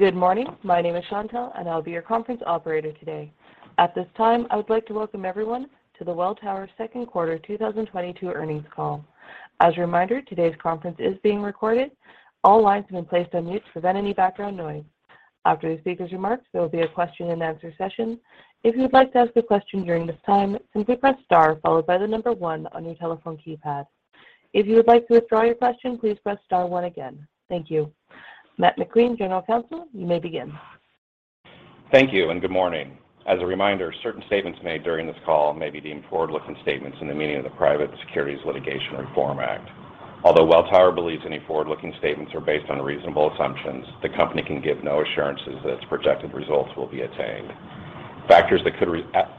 Good morning. My name is Chantelle, and I'll be your conference operator today. At this time, I would like to welcome everyone to the Welltower second quarter 2022 earnings call. As a reminder, today's conference is being recorded. All lines have been placed on mute to prevent any background noise. After the speaker's remarks, there will be a question-and-answer session. If you'd like to ask a question during this time, simply press star followed by the number one on your telephone keypad. If you would like to withdraw your question, please press star one again. Thank you. Matt McQueen, General Counsel, you may begin. Thank you, and good morning. As a reminder, certain statements made during this call may be deemed forward-looking statements in the meaning of the Private Securities Litigation Reform Act. Although Welltower believes any forward-looking statements are based on reasonable assumptions, the company can give no assurances that its projected results will be attained. Factors that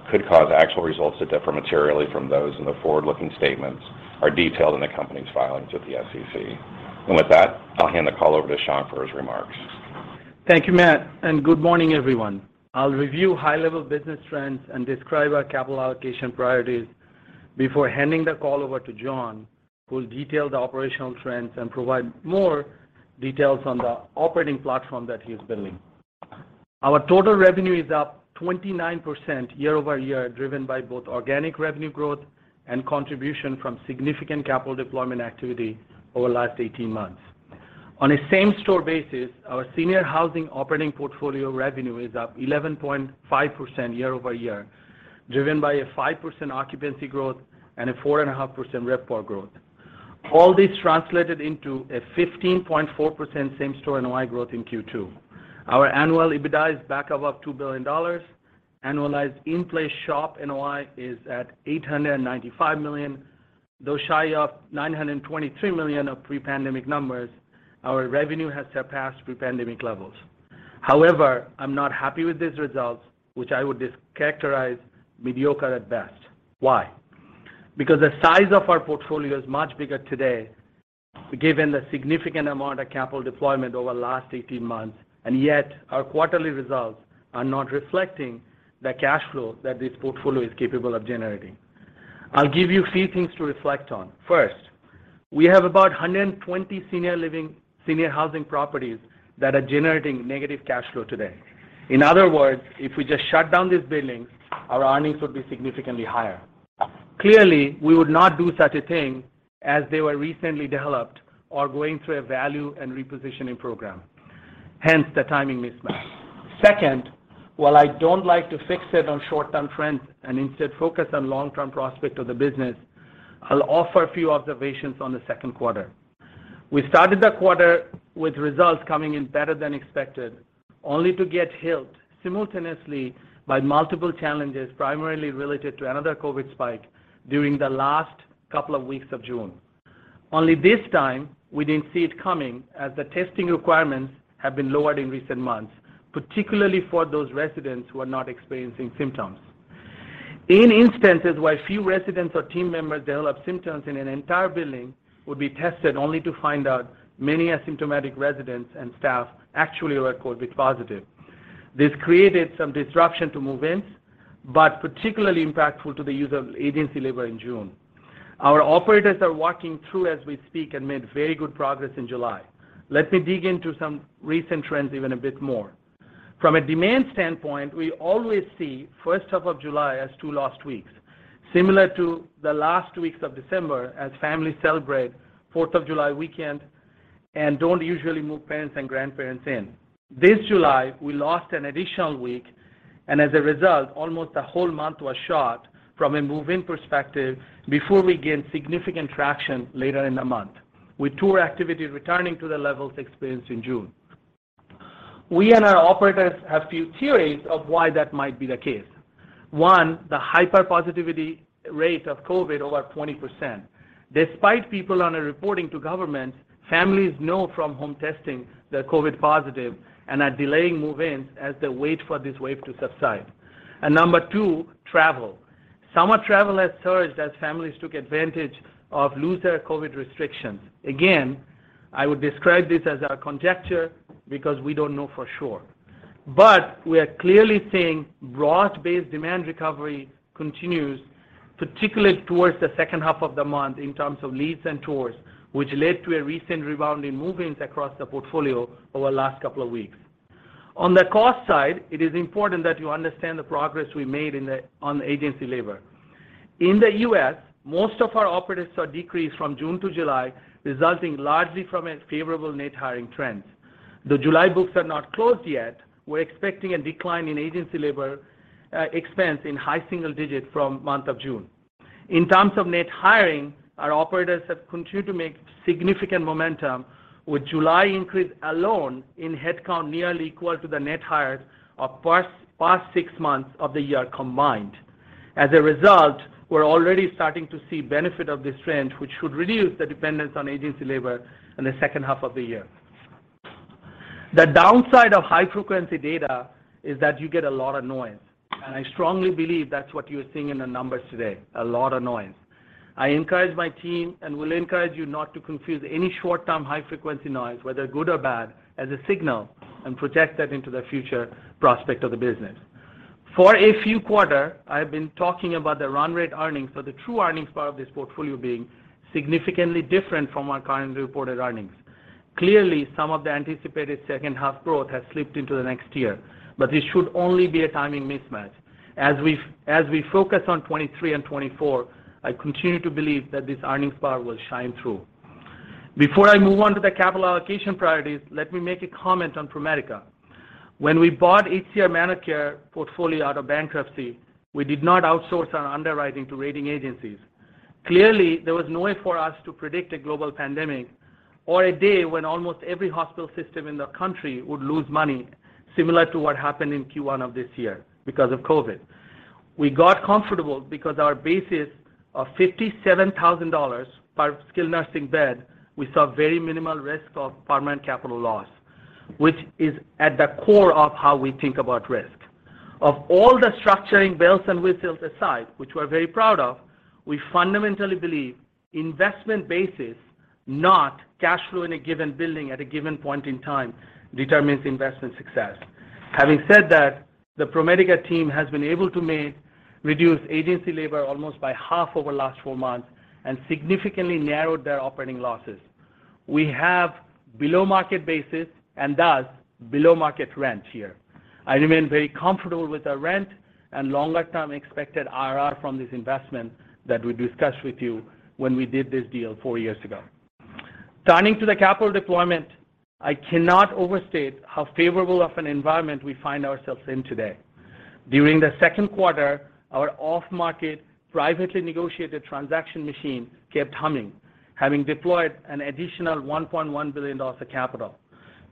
could cause actual results to differ materially from those in the forward-looking statements are detailed in the company's filings with the SEC. With that, I'll hand the call over to Shankh Mitra for his remarks. Thank you, Matt, and good morning, everyone. I'll review high-level business trends and describe our capital allocation priorities before handing the call over to John, who will detail the operational trends and provide more details on the operating platform that he is building. Our total revenue is up 29% year-over-year, driven by both organic revenue growth and contribution from significant capital deployment activity over the last eighteen months. On a same-store basis, our senior housing operating portfolio revenue is up 11.5% year-over-year, driven by a 5% occupancy growth and a 4.5% RevPAR growth. All this translated into a 15.4% same-store NOI growth in Q2. Our annual EBITDA is back above $2 billion. Annualized in-place SHOP NOI is at $895 million. Though shy of $923 million of pre-pandemic numbers, our revenue has surpassed pre-pandemic levels. However, I'm not happy with these results, which I would just characterize mediocre at best. Why? Because the size of our portfolio is much bigger today, given the significant amount of capital deployment over the last 18 months, and yet our quarterly results are not reflecting the cash flow that this portfolio is capable of generating. I'll give you a few things to reflect on. First, we have about 120 senior housing properties that are generating negative cash flow today. In other words, if we just shut down these buildings, our earnings would be significantly higher. Clearly, we would not do such a thing as they were recently developed or going through a value and repositioning program, hence the timing mismatch. Second, while I don't like to fixate on short-term trends and instead focus on long-term prospects of the business, I'll offer a few observations on the second quarter. We started the quarter with results coming in better than expected, only to get hit simultaneously by multiple challenges, primarily related to another COVID spike during the last couple of weeks of June. Only this time, we didn't see it coming as the testing requirements have been lowered in recent months, particularly for those residents who are not experiencing symptoms. In instances where a few residents or team members develop symptoms, an entire building would be tested only to find out many asymptomatic residents and staff actually were COVID positive. This created some disruption to move-ins, but particularly impactful to the use of agency labor in June. Our operators are walking through as we speak and made very good progress in July. Let me dig into some recent trends even a bit more. From a demand standpoint, we always see first half of July as two lost weeks, similar to the last weeks of December as families celebrate 4th of July weekend and don't usually move parents and grandparents in. This July, we lost an additional week, and as a result, almost a whole month was shot from a move-in perspective before we gained significant traction later in the month, with tour activity returning to the levels experienced in June. We and our operators have a few theories of why that might be the case. One, the high positivity rate of COVID over 20%. Despite people under-reporting to government, families know from home testing they're COVID positive and are delaying move-ins as they wait for this wave to subside. Number two, travel. Summer travel has surged as families took advantage of looser COVID restrictions. Again, I would describe this as a conjecture because we don't know for sure. We are clearly seeing broad-based demand recovery continues, particularly towards the second half of the month in terms of leads and tours, which led to a recent rebound in move-ins across the portfolio over the last couple of weeks. On the cost side, it is important that you understand the progress we made on agency labor. In the US, most of our operators saw a decrease from June to July, resulting largely from a favorable net hiring trend. The July books are not closed yet. We're expecting a decline in agency labor expense in high single digit from month of June. In terms of net hiring, our operators have continued to make significant momentum with July increase alone in headcount nearly equal to the net hires of past six months of the year combined. As a result, we're already starting to see benefit of this trend, which should reduce the dependence on agency labor in the second half of the year. The downside of high-frequency data is that you get a lot of noise, and I strongly believe that's what you're seeing in the numbers today, a lot of noise. I encourage my team, and will encourage you not to confuse any short-term high-frequency noise, whether good or bad, as a signal and project that into the future prospect of the business. For a few quarters, I've been talking about the run rate earnings for the true earnings part of this portfolio being significantly different from our currently reported earnings. Clearly, some of the anticipated second half growth has slipped into the next year, but this should only be a timing mismatch. As we focus on 2023 and 2024, I continue to believe that this earnings power will shine through. Before I move on to the capital allocation priorities, let me make a comment on ProMedica. When we bought HCR ManorCare portfolio out of bankruptcy, we did not outsource our underwriting to rating agencies. Clearly, there was no way for us to predict a global pandemic or a day when almost every hospital system in the country would lose money, similar to what happened in Q1 of this year because of COVID. We got comfortable because our basis of $57,000 per skilled nursing bed, we saw very minimal risk of permanent capital loss, which is at the core of how we think about risk. Of all the structuring bells and whistles aside, which we're very proud of, we fundamentally believe investment basis, not cash flow in a given building at a given point in time, determines investment success. Having said that, the ProMedica team has been able to reduce agency labor almost by half over last 4 months and significantly narrowed their operating losses. We have below market basis and thus below market rent here. I remain very comfortable with our rent and longer term expected IRR from this investment that we discussed with you when we did this deal four years ago. Turning to the capital deployment, I cannot overstate how favorable of an environment we find ourselves in today. During the second quarter, our off-market, privately negotiated transaction machine kept humming, having deployed an additional $1.1 billion of capital.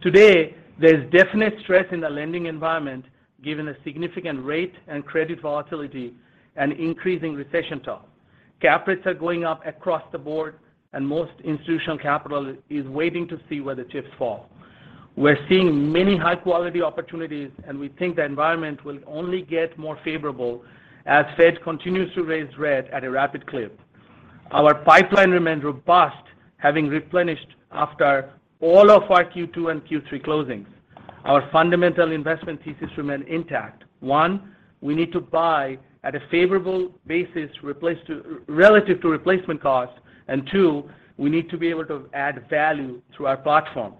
Today, there's definite stress in the lending environment given the significant rate and credit volatility and increasing recession talk. Cap rates are going up across the board, and most institutional capital is waiting to see where the chips fall. We're seeing many high-quality opportunities, and we think the environment will only get more favorable as Fed continues to raise rates at a rapid clip. Our pipeline remains robust, having replenished after all of our Q2 and Q3 closings. Our fundamental investment thesis remains intact. One, we need to buy at a favorable basis relative to replacement cost. Two, we need to be able to add value through our platform.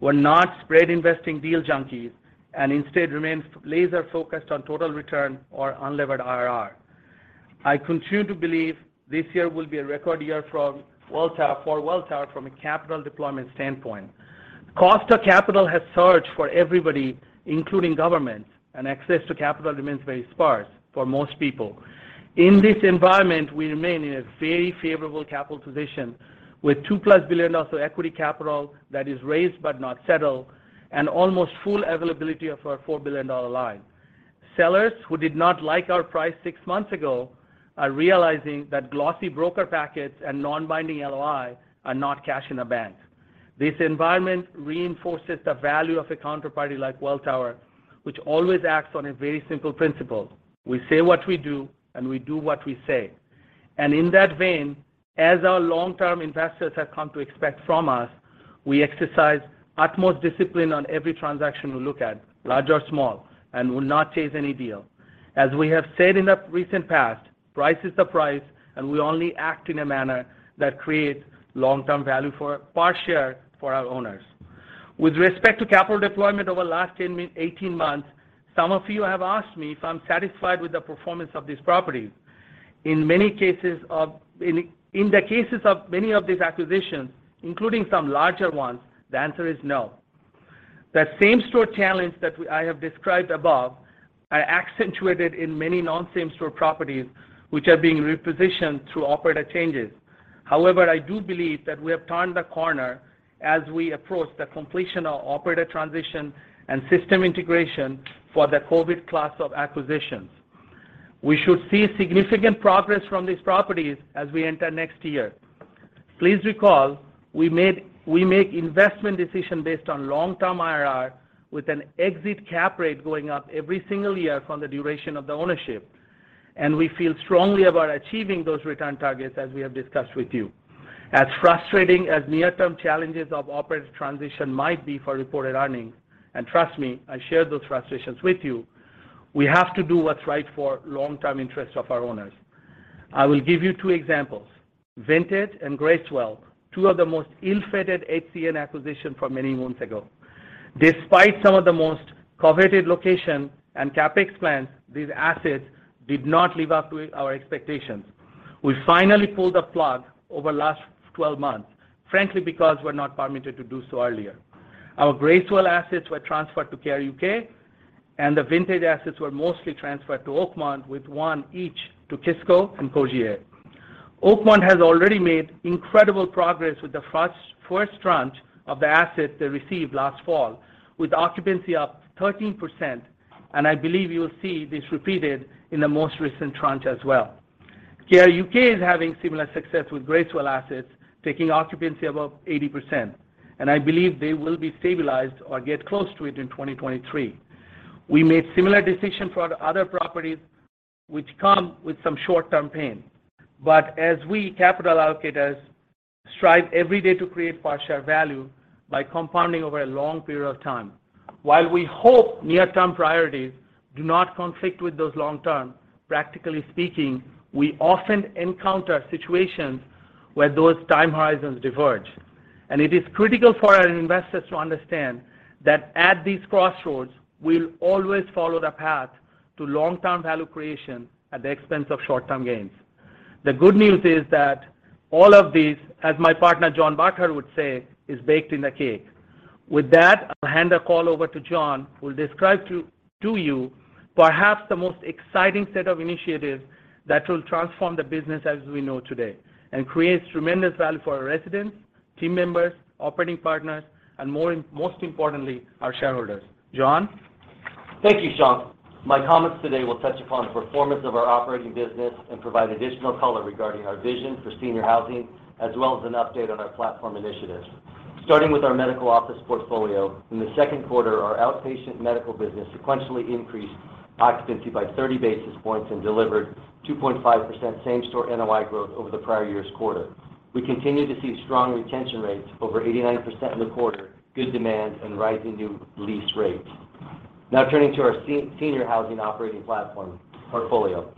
We're not spread investing deal junkies and instead remain laser focused on total return or unlevered IRR. I continue to believe this year will be a record year for Welltower from a capital deployment standpoint. Cost of capital has surged for everybody, including government, and access to capital remains very sparse for most people. In this environment, we remain in a very favorable capital position with $2+ billion of equity capital that is raised but not settled, and almost full availability of our $4 billion line. Sellers who did not like our price six months ago are realizing that glossy broker packets and non-binding LOI are not cash in the bank. This environment reinforces the value of a counterparty like Welltower, which always acts on a very simple principle: We say what we do, and we do what we say. In that vein, as our long-term investors have come to expect from us, we exercise utmost discipline on every transaction we look at, large or small, and will not chase any deal. As we have said in the recent past, price is the price, and we only act in a manner that creates long-term value per share for our owners. With respect to capital deployment over the last 18 months, some of you have asked me if I'm satisfied with the performance of these properties. In the cases of many of these acquisitions, including some larger ones, the answer is no. That same-store challenge that I have described above are accentuated in many non-same store properties which are being repositioned through operator changes. However, I do believe that we have turned the corner as we approach the completion of operator transition and system integration for the COVID class of acquisitions. We should see significant progress from these properties as we enter next year. Please recall, we make investment decision based on long-term IRR with an exit cap rate going up every single year from the duration of the ownership, and we feel strongly about achieving those return targets as we have discussed with you. As frustrating as near-term challenges of operators transition might be for reported earnings, and trust me, I share those frustrations with you, we have to do what's right for long-term interests of our owners. I will give you two examples. Vintage and Gracewell, two of the most ill-fated HCN acquisition from many months ago. Despite some of the most coveted location and CapEx plans, these assets did not live up to our expectations. We finally pulled the plug over last 12 months, frankly, because we're not permitted to do so earlier. Our Gracewell assets were transferred to Care UK, and the Vintage assets were mostly transferred to Oakmont with one each to Kisco and Cogir. Oakmont has already made incredible progress with the first tranche of the assets they received last fall with occupancy up 13%, and I believe you will see this repeated in the most recent tranche as well. Care UK is having similar success with Gracewell assets, taking occupancy above 80%, and I believe they will be stabilized or get close to it in 2023. We made similar decision for other properties which come with some short-term pain. As we, capital allocators, strive every day to create shareholder value by compounding over a long period of time. While we hope near-term priorities do not conflict with those long-term, practically speaking, we often encounter situations where those time horizons diverge. It is critical for our investors to understand that at these crossroads, we'll always follow the path to long-term value creation at the expense of short-term gains. The good news is that all of these, as my partner, John Burkart would say, is baked in the cake. With that, I'll hand the call over to John, who will describe to you perhaps the most exciting set of initiatives that will transform the business as we know today, and creates tremendous value for our residents, team members, operating partners, and more, most importantly, our shareholders. John? Thank you, Shankh. My comments today will touch upon the performance of our operating business and provide additional color regarding our vision for senior housing, as well as an update on our platform initiatives. Starting with our medical office portfolio. In the second quarter, our outpatient medical business sequentially increased occupancy by 30 basis points and delivered 2.5% same-store NOI growth over the prior year's quarter. We continue to see strong retention rates over 89% in the quarter, good demand, and rising new lease rates. Now turning to our senior housing operating platform portfolio.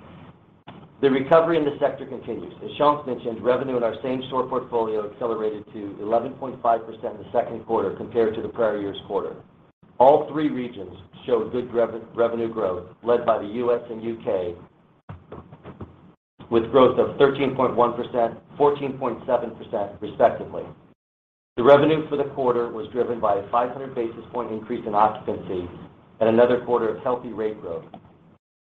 The recovery in this sector continues. As Shankh mentioned, revenue in our same-store portfolio accelerated to 11.5% in the second quarter compared to the prior year's quarter. All three regions showed good revenue growth led by the U.S. and U.K., with growth of 13.1%, 14.7% respectively. The revenue for the quarter was driven by a 500 basis point increase in occupancy and another quarter of healthy rate growth.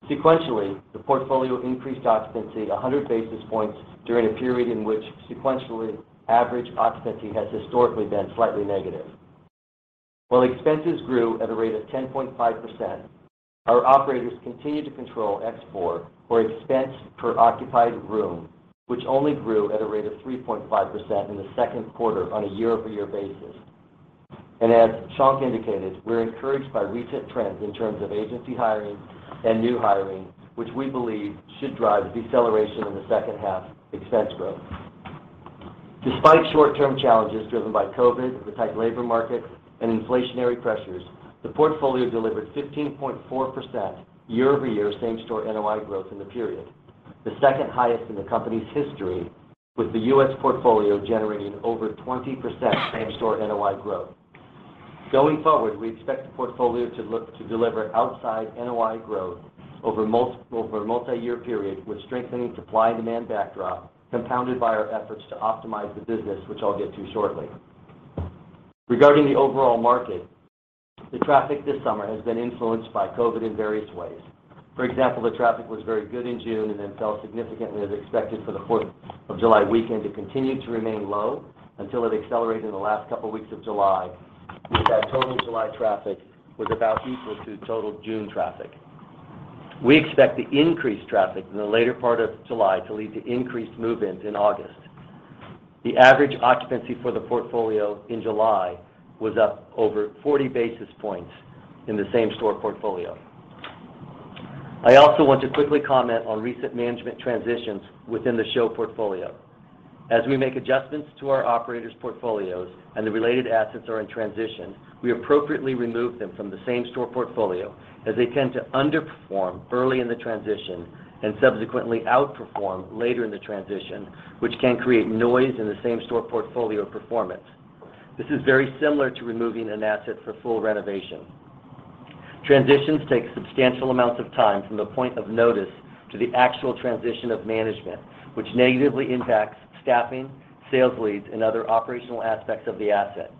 Sequentially, the portfolio increased occupancy 100 basis points during a period in which sequentially average occupancy has historically been slightly negative. While expenses grew at a rate of 10.5%, our operators continued to control ExpPOR, or Expense Per Occupied Room, which only grew at a rate of 3.5% in the second quarter on a year-over-year basis. As Shankh indicated, we're encouraged by recent trends in terms of agency hiring and new hiring, which we believe should drive deceleration in the second half expense growth. Despite short-term challenges driven by COVID, the tight labor market, and inflationary pressures, the portfolio delivered 15.4% year-over-year same-store NOI growth in the period, the second highest in the company's history, with the U.S. portfolio generating over 20% same-store NOI growth. Going forward, we expect the portfolio to look to deliver outsized NOI growth over a multi-year period with strengthening supply and demand backdrop, compounded by our efforts to optimize the business, which I'll get to shortly. Regarding the overall market, the traffic this summer has been influenced by COVID in various ways. For example, the traffic was very good in June and then fell significantly as expected for the 4th of July weekend. It continued to remain low until it accelerated in the last couple weeks of July, with that total July traffic was about equal to total June traffic. We expect the increased traffic in the later part of July to lead to increased move-ins in August. The average occupancy for the portfolio in July was up over 40 basis points in the same-store portfolio. I also want to quickly comment on recent management transitions within the SHO portfolio. As we make adjustments to our operators' portfolios and the related assets are in transition, we appropriately remove them from the same-store portfolio, as they tend to underperform early in the transition and subsequently outperform later in the transition, which can create noise in the same-store portfolio performance. This is very similar to removing an asset for full renovation. Transitions take substantial amounts of time from the point of notice to the actual transition of management, which negatively impacts staffing, sales leads, and other operational aspects of the asset.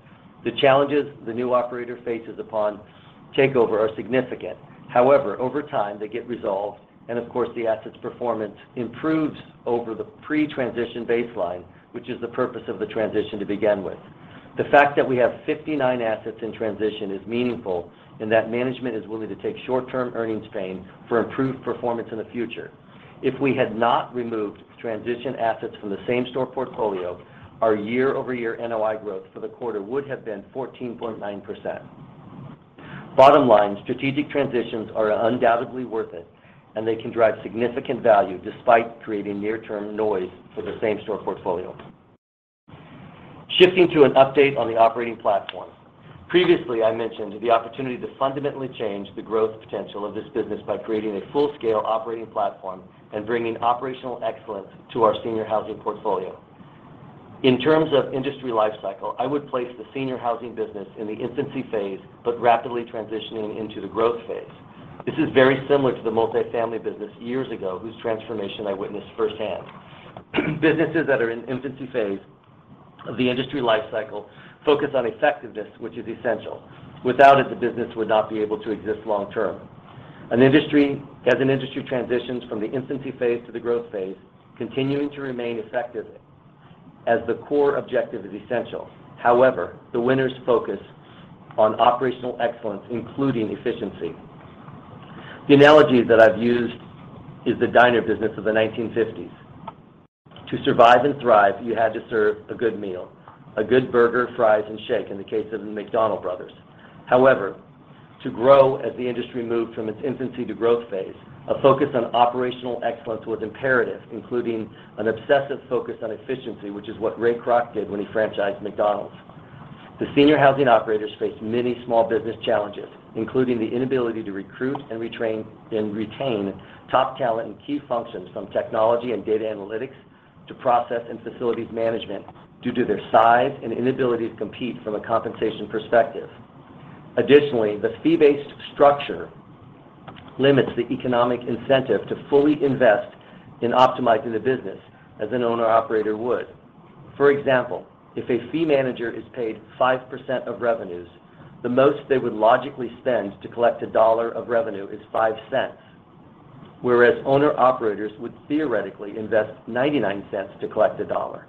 The challenges the new operator faces upon takeover are significant. However, over time, they get resolved, and of course, the asset's performance improves over the pre-transition baseline, which is the purpose of the transition to begin with. The fact that we have 59 assets in transition is meaningful, and that management is willing to take short-term earnings pain for improved performance in the future. If we had not removed transition assets from the same-store portfolio, our year-over-year NOI growth for the quarter would have been 14.9%. Bottom line, strategic transitions are undoubtedly worth it, and they can drive significant value despite creating near-term noise for the same-store portfolio. Shifting to an update on the operating platform. Previously, I mentioned the opportunity to fundamentally change the growth potential of this business by creating a full-scale operating platform and bringing operational excellence to our senior housing portfolio. In terms of industry life cycle, I would place the senior housing business in the infancy phase, but rapidly transitioning into the growth phase. This is very similar to the multifamily business years ago, whose transformation I witnessed firsthand. Businesses that are in infancy phase of the industry life cycle focus on effectiveness, which is essential. Without it, the business would not be able to exist long term. As an industry transitions from the infancy phase to the growth phase, continuing to remain effective as the core objective is essential. However, the winners focus on operational excellence, including efficiency. The analogy that I've used is the diner business of the 1950s. To survive and thrive, you had to serve a good meal, a good burger, fries, and shake in the case of the McDonald brothers. To grow as the industry moved from its infancy to growth phase, a focus on operational excellence was imperative, including an obsessive focus on efficiency, which is what Ray Kroc did when he franchised McDonald's. The senior housing operators faced many small business challenges, including the inability to recruit and retrain and retain top talent in key functions from technology and data analytics to process and facilities management due to their size and inability to compete from a compensation perspective. Additionally, the fee-based structure limits the economic incentive to fully invest in optimizing the business as an owner operator would. For example, if a fee manager is paid 5% of revenues, the most they would logically spend to collect $1 of revenue is $0.05. Whereas owner operators would theoretically invest $0.99 to collect $1.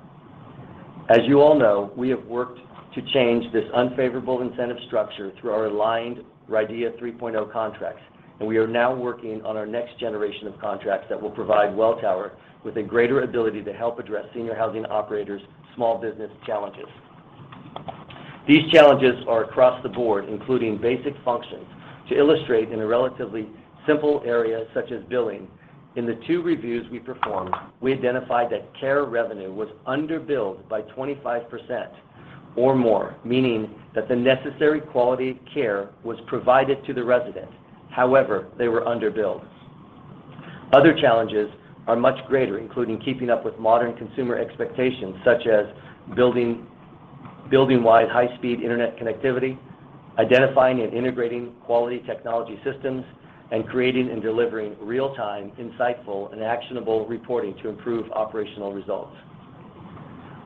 As you all know, we have worked to change this unfavorable incentive structure through our aligned RIDEA 3.0 contracts, and we are now working on our next generation of contracts that will provide Welltower with a greater ability to help address senior housing operators' small business challenges. These challenges are across the board, including basic functions. To illustrate in a relatively simple area such as billing, in the two reviews we performed, we identified that care revenue was under-billed by 25% or more, meaning that the necessary quality care was provided to the resident. However, they were under-billed. Other challenges are much greater, including keeping up with modern consumer expectations such as building-wide high-speed internet connectivity, identifying and integrating quality technology systems, and creating and delivering real-time, insightful, and actionable reporting to improve operational results.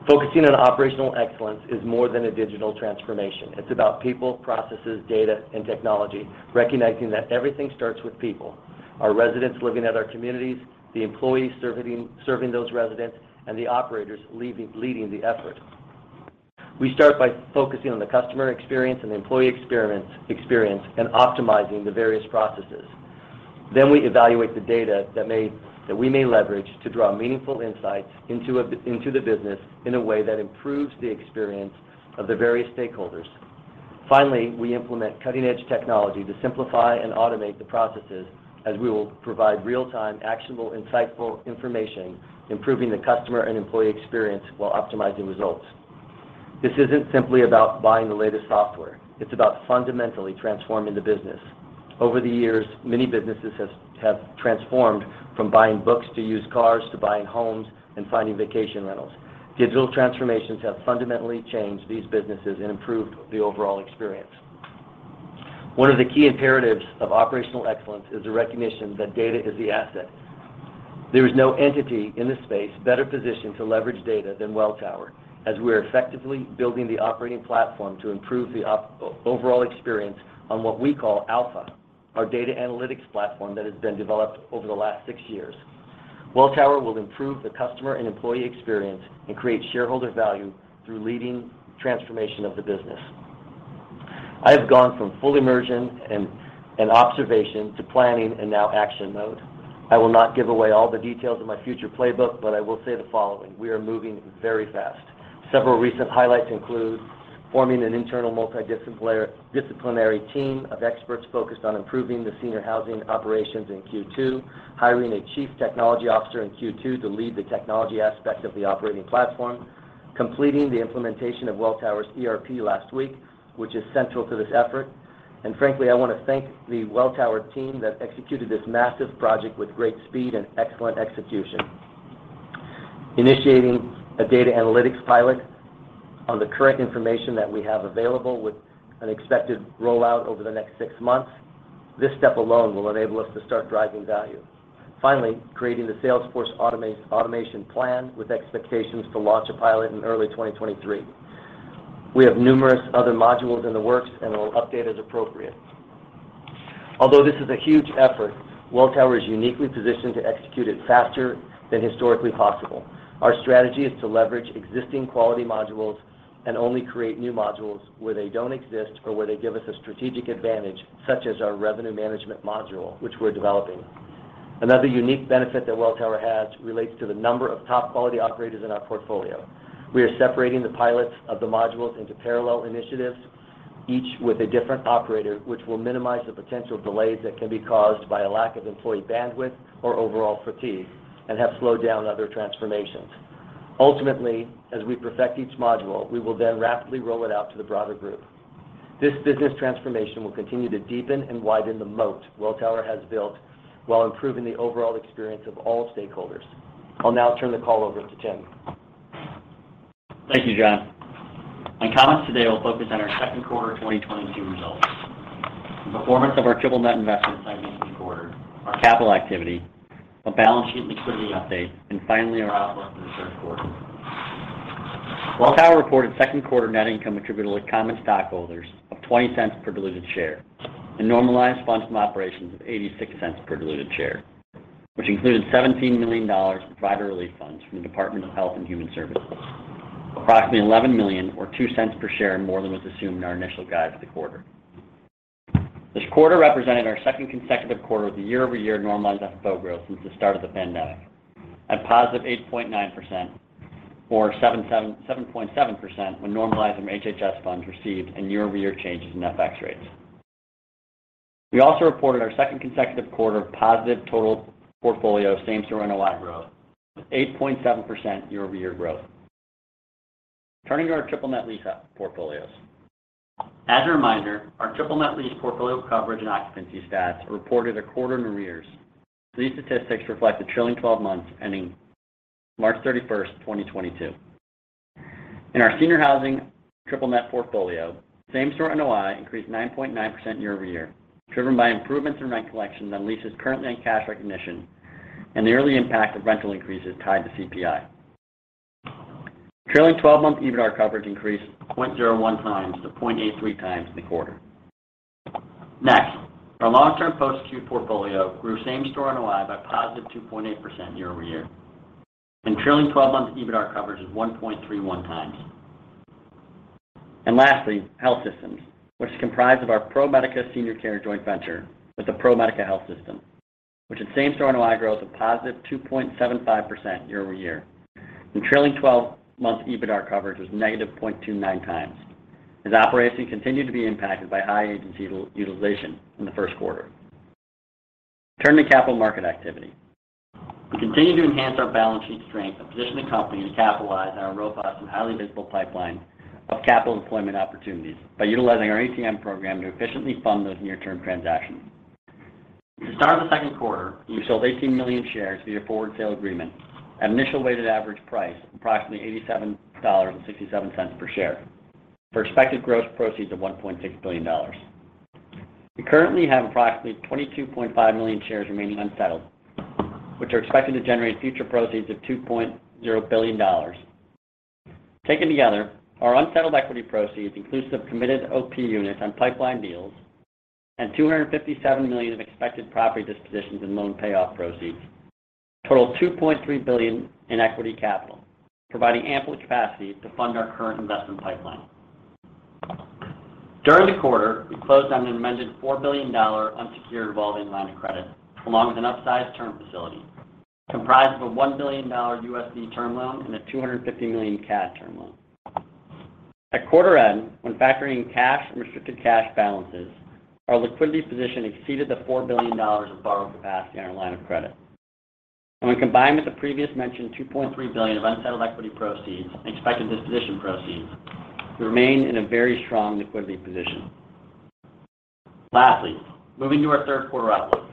Focusing on operational excellence is more than a digital transformation. It's about people, processes, data, and technology, recognizing that everything starts with people. Our residents living at our communities, the employees serving those residents, and the operators leading the effort. We start by focusing on the customer experience and the employee experience and optimizing the various processes. Then we evaluate the data that we may leverage to draw meaningful insights into the business in a way that improves the experience of the various stakeholders. Finally, we implement cutting-edge technology to simplify and automate the processes as we will provide real-time, actionable, insightful information, improving the customer and employee experience while optimizing results. This isn't simply about buying the latest software. It's about fundamentally transforming the business. Over the years, many businesses have transformed from buying books to used cars to buying homes and finding vacation rentals. Digital transformations have fundamentally changed these businesses and improved the overall experience. One of the key imperatives of operational excellence is the recognition that data is the asset. There is no entity in this space better positioned to leverage data than Welltower, as we're effectively building the operating platform to improve the overall experience on what we call Alpha, our data analytics platform that has been developed over the last six years. Welltower will improve the customer and employee experience and create shareholder value through leading transformation of the business. I have gone from full immersion and observation to planning and now action mode. I will not give away all the details of my future playbook, but I will say the following, we are moving very fast. Several recent highlights include forming an internal multidisciplinary team of experts focused on improving the senior housing operations in Q2, hiring a chief technology officer in Q2 to lead the technology aspect of the operating platform, completing the implementation of Welltower's ERP last week, which is central to this effort. Frankly, I want to thank the Welltower team that executed this massive project with great speed and excellent execution. Initiating a data analytics pilot on the current information that we have available with an expected rollout over the next six months. This step alone will enable us to start driving value. Finally, creating the Salesforce automation plan with expectations to launch a pilot in early 2023. We have numerous other modules in the works, and I'll update as appropriate. Although this is a huge effort, Welltower is uniquely positioned to execute it faster than historically possible. Our strategy is to leverage existing quality modules and only create new modules where they don't exist or where they give us a strategic advantage, such as our revenue management module, which we're developing. Another unique benefit that Welltower has relates to the number of top quality operators in our portfolio. We are separating the pilots of the modules into parallel initiatives, each with a different operator, which will minimize the potential delays that can be caused by a lack of employee bandwidth or overall fatigue and have slowed down other transformations. Ultimately, as we perfect each module, we will then rapidly roll it out to the broader group. This business transformation will continue to deepen and widen the moat Welltower has built while improving the overall experience of all stakeholders. I'll now turn the call over to Tim. Thank you, John. My comments today will focus on our second quarter 2022 results. The performance of our triple net investment segment this quarter, our capital activity, a balance sheet liquidity update, and finally our outlook for the third quarter. Welltower reported second quarter net income attributable to common stockholders of $0.20 per diluted share and normalized funds from operations of $0.86 per diluted share, which included $17 million in provider relief funds from the Department of Health and Human Services. Approximately $11 million or $0.02 per share more than was assumed in our initial guide for the quarter. This quarter represented our second consecutive quarter with a year-over-year normalized FFO growth since the start of the pandemic at +8.9%, or 7.7% when normalized from HHS funds received and year-over-year changes in FX rates. We also reported our second consecutive quarter of positive total portfolio same-store NOI growth with 8.7% year-over-year growth. Turning to our triple net lease portfolios. As a reminder, our triple net lease portfolio coverage and occupancy stats are reported a quarter in arrears, so these statistics reflect the trailing twelve months ending March 31st 2022. In our senior housing triple net portfolio, same-store NOI increased 9.9% year-over-year, driven by improvements in rent collection on leases currently in cash recognition and the early impact of rental increases tied to CPI. Trailing twelve-month EBITDA coverage increased 0.01 times to 0.83x in the quarter. Next, our long-term post-acute portfolio grew same-store NOI by +2.8% year-over-year. Trailing twelve-month EBITDA coverage is 1.31x. Lastly, health systems, which is comprised of our ProMedica Senior Care joint venture with the ProMedica Health System, which had same-store NOI growth of +2.75% year-over-year. Trailing 12-month EBITDA coverage was -0.29x, as operations continued to be impacted by high agency utilization in the first quarter. Turning to capital market activity. We continue to enhance our balance sheet strength and position the company to capitalize on our robust and highly visible pipeline of capital deployment opportunities by utilizing our ATM program to efficiently fund those near-term transactions. At the start of the second quarter, we sold 18 million shares via forward sale agreement at an initial weighted average price of approximately $87.67 per share for expected gross proceeds of $1.6 billion. We currently have approximately 22.5 million shares remaining unsettled, which are expected to generate future proceeds of $2.0 billion. Taken together, our unsettled equity proceeds inclusive of committed OP units on pipelined deals and $257 million of expected property dispositions and loan payoff proceeds total $2.3 billion in equity capital, providing ample capacity to fund our current investment pipeline. During the quarter, we closed on an amended $4 billion unsecured revolving line of credit, along with an upsized term facility comprised of a $1 billion USD term loan and a 250 million CAD term loan. At quarter end, when factoring in cash and restricted cash balances, our liquidity position exceeded the $4 billion of borrowed capacity on our line of credit. When combined with the previously mentioned $2.3 billion of unsettled equity proceeds and expected disposition proceeds, we remain in a very strong liquidity position. Lastly, moving to our third quarter outlook.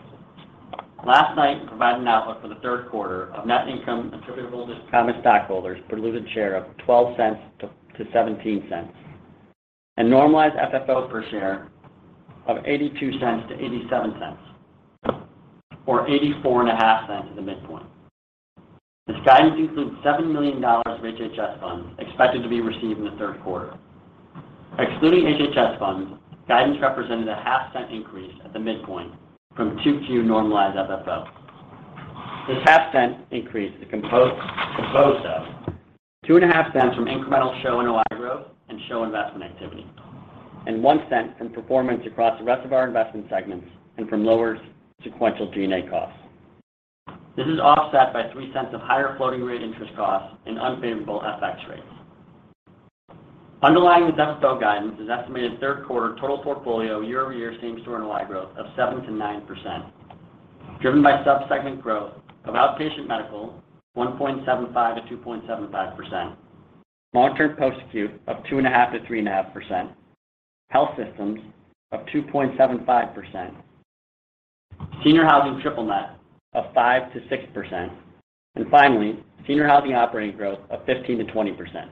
Last night, we provided an outlook for the third quarter of net income attributable to common stockholders per diluted share of $0.12-$0.17 and normalized FFO per share of $0.82-$0.87, or $0.845 at the midpoint. This guidance includes $7 million of HHS funds expected to be received in the third quarter. Excluding HHS funds, guidance represented a $0.005 increase at the midpoint from 2Q normalized FFO. This $0.005 increase is composed of $2.5 from incremental SHOP NOI growth and SHOP investment activity, and $0.01 from performance across the rest of our investment segments and from lower sequential G&A costs. This is offset by $0.03 of higher floating rate interest costs and unfavorable FX rates. Underlying this FFO guidance is estimated third quarter total portfolio year-over-year same-store NOI growth of 7%-9%, driven by sub-segment growth of outpatient medical, 1.75%-2.75%, long-term post-acute p 2.5%-3.5%, health systems up 2.75%, senior housing triple net up 5%-6%, and finally, senior housing operating growth of 15%-20%,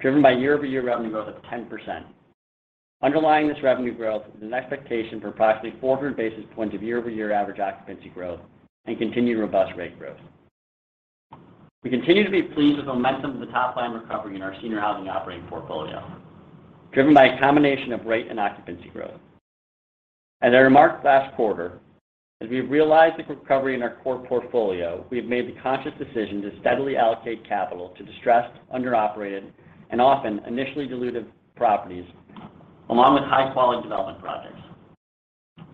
driven by year-over-year revenue growth of 10%. Underlying this revenue growth is an expectation for approximately 400 basis points of year-over-year average occupancy growth and continued robust rate growth. We continue to be pleased with the momentum of the top line recovery in our senior housing operating portfolio, driven by a combination of rate and occupancy growth. As I remarked last quarter, as we've realized the recovery in our core portfolio, we have made the conscious decision to steadily allocate capital to distressed, under-operated, and often initially dilutive properties, along with high-quality development projects.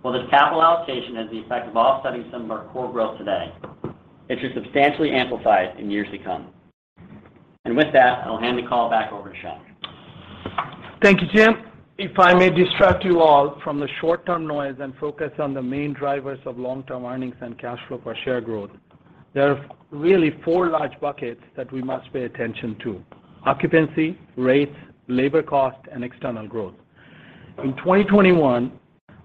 While this capital allocation has the effect of offsetting some of our core growth today, it should substantially amplify it in years to come. With that, I'll hand the call back over to Shankh. Thank you, Tim. If I may distract you all from the short-term noise and focus on the main drivers of long-term earnings and cash flow per share growth, there are really four large buckets that we must pay attention to, occupancy, rates, labor cost, and external growth. In 2021,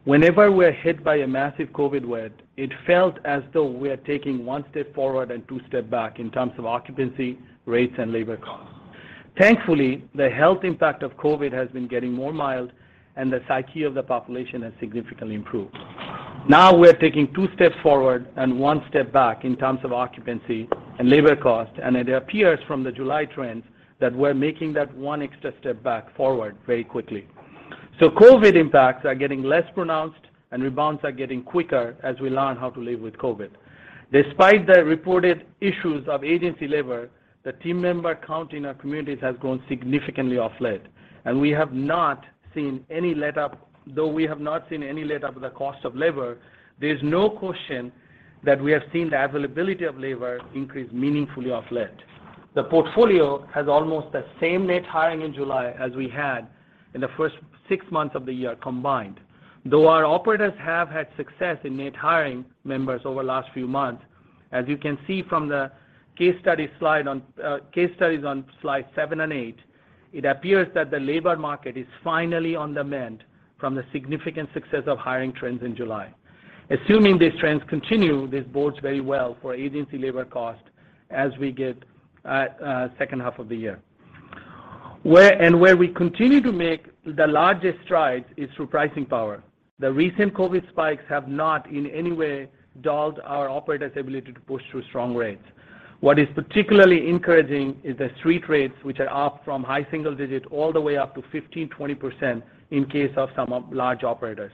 whenever we're hit by a massive COVID wave, it felt as though we are taking one step forward and two steps back in terms of occupancy, rates, and labor costs. Thankfully, the health impact of COVID has been getting more mild, and the psyche of the population has significantly improved. Now we're taking two steps forward and one step back in terms of occupancy and labor cost, and it appears from the July trends that we're making that one extra step forward very quickly. COVID impacts are getting less pronounced, and rebounds are getting quicker as we learn how to live with COVID. Despite the reported issues of agency labor, the team member count in our communities has grown significantly of late, and we have not seen any letup. Though we have not seen any letup in the cost of labor, there's no question that we have seen the availability of labor increase meaningfully of late. The portfolio has almost the same net hiring in July as we had in the first 6 months of the year combined. Though our operators have had success in net hiring members over the last few months, as you can see from the case study slide on case studies on slide seven and eight, it appears that the labor market is finally on the mend from the significant success of hiring trends in July. Assuming these trends continue, this bodes very well for agency labor cost as we get second half of the year. Where we continue to make the largest strides is through pricing power. The recent COVID spikes have not in any way dulled our operators' ability to push through strong rates. What is particularly encouraging is the street rates, which are up from high single digit all the way up to 15%-20% in case of some of large operators.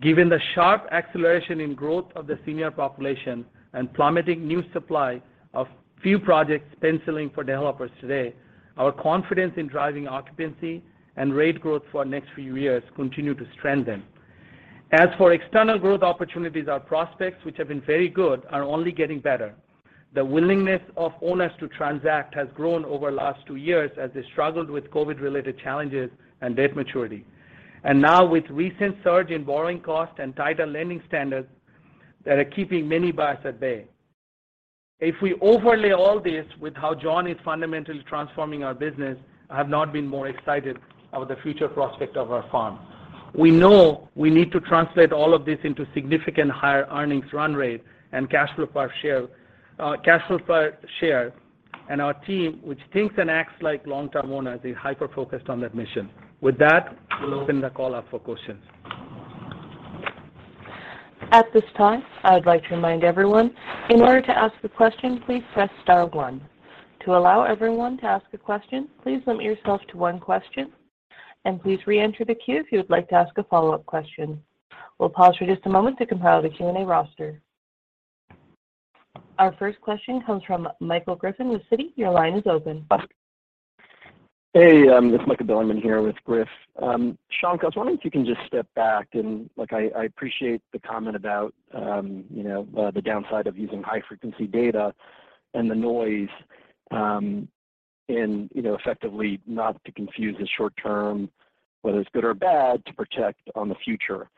Given the sharp acceleration in growth of the senior population and plummeting new supply of few projects penciling for developers today, our confidence in driving occupancy and rate growth for next few years continue to strengthen. As for external growth opportunities, our prospects, which have been very good, are only getting better. The willingness of owners to transact has grown over the last two years as they struggled with COVID-related challenges and debt maturity. Now with recent surge in borrowing costs and tighter lending standards that are keeping many buyers at bay. If we overlay all this with how John is fundamentally transforming our business, I have not been more excited about the future prospect of our firm. We know we need to translate all of this into significant higher earnings run rate and cash flow per share, and our team, which thinks and acts like long-term owners, is hyper-focused on that mission. With that, we'll open the call up for questions. At this time, I would like to remind everyone, in order to ask a question, please press star one. To allow everyone to ask a question, please limit yourself to one question, and please reenter the queue if you would like to ask a follow-up question. We'll pause for just a moment to compile the Q&A roster. Our first question comes from Michael Griffin with Citi. Your line is open. Hey, this is Michael Bilerman here with Griff. Shankh, I was wondering if you can just step back and like I appreciate the comment about, you know, the downside of using high frequency data and the noise, in, you know, effectively not to confuse the short-term, whether it's good or bad to project on the future.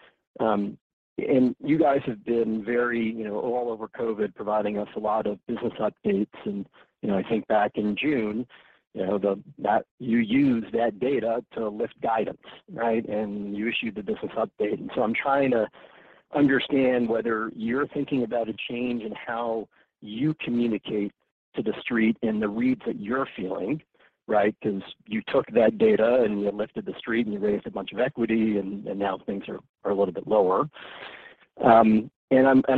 You guys have been very, you know, all over COVID, providing us a lot of business updates and, you know, I think back in June, that you used that data to lift guidance, right? I'm trying to understand whether you're thinking about a change in how you communicate to the street and the reads that you're feeling, right? Because you took that data and you lifted the street and you raised a bunch of equity and now things are a little bit lower.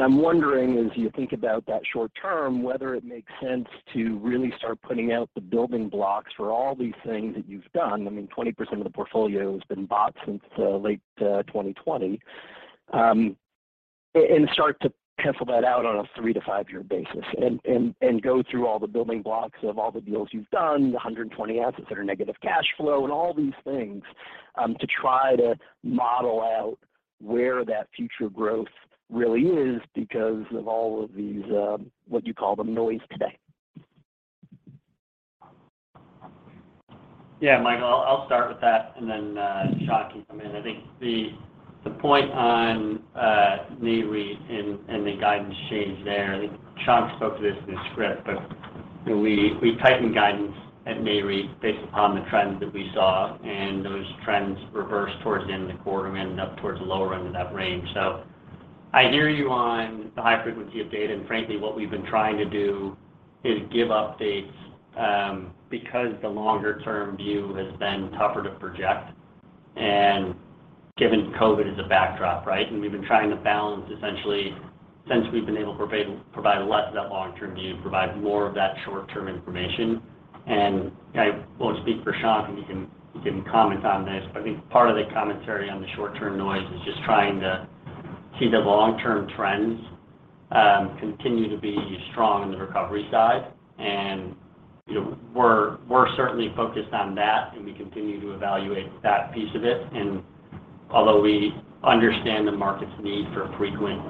I'm wondering as you think about that short-term, whether it makes sense to really start putting out the building blocks for all these things that you've done. I mean, 20% of the portfolio has been bought since late 2020. And start to pencil that out on a 3-year to 5-year basis and go through all the building blocks of all the deals you've done, the 120 assets that are negative cash flow and all these things, to try to model out where that future growth really is because of all of these what you call the noise today. Yeah, Michael, I'll start with that and then Shankh can come in. I think the point on Nareit and the guidance change there, I think Shankh spoke to this in the script, but you know, we tightened guidance at Nareit based upon the trends that we saw, and those trends reversed towards the end of the quarter and ended up towards the lower end of that range. I hear you on the high frequency of data, and frankly what we've been trying to do is give updates because the longer-term view has been tougher to project and given COVID as a backdrop, right? We've been trying to balance essentially since we've been able to provide less of that long-term view, provide more of that short-term information. I won't speak for Shankh, and he can comment on this, but I think part of the commentary on the short-term noise is just trying to see the long-term trends continue to be strong in the recovery side. You know, we're certainly focused on that, and we continue to evaluate that piece of it. Although we understand the market's need for frequent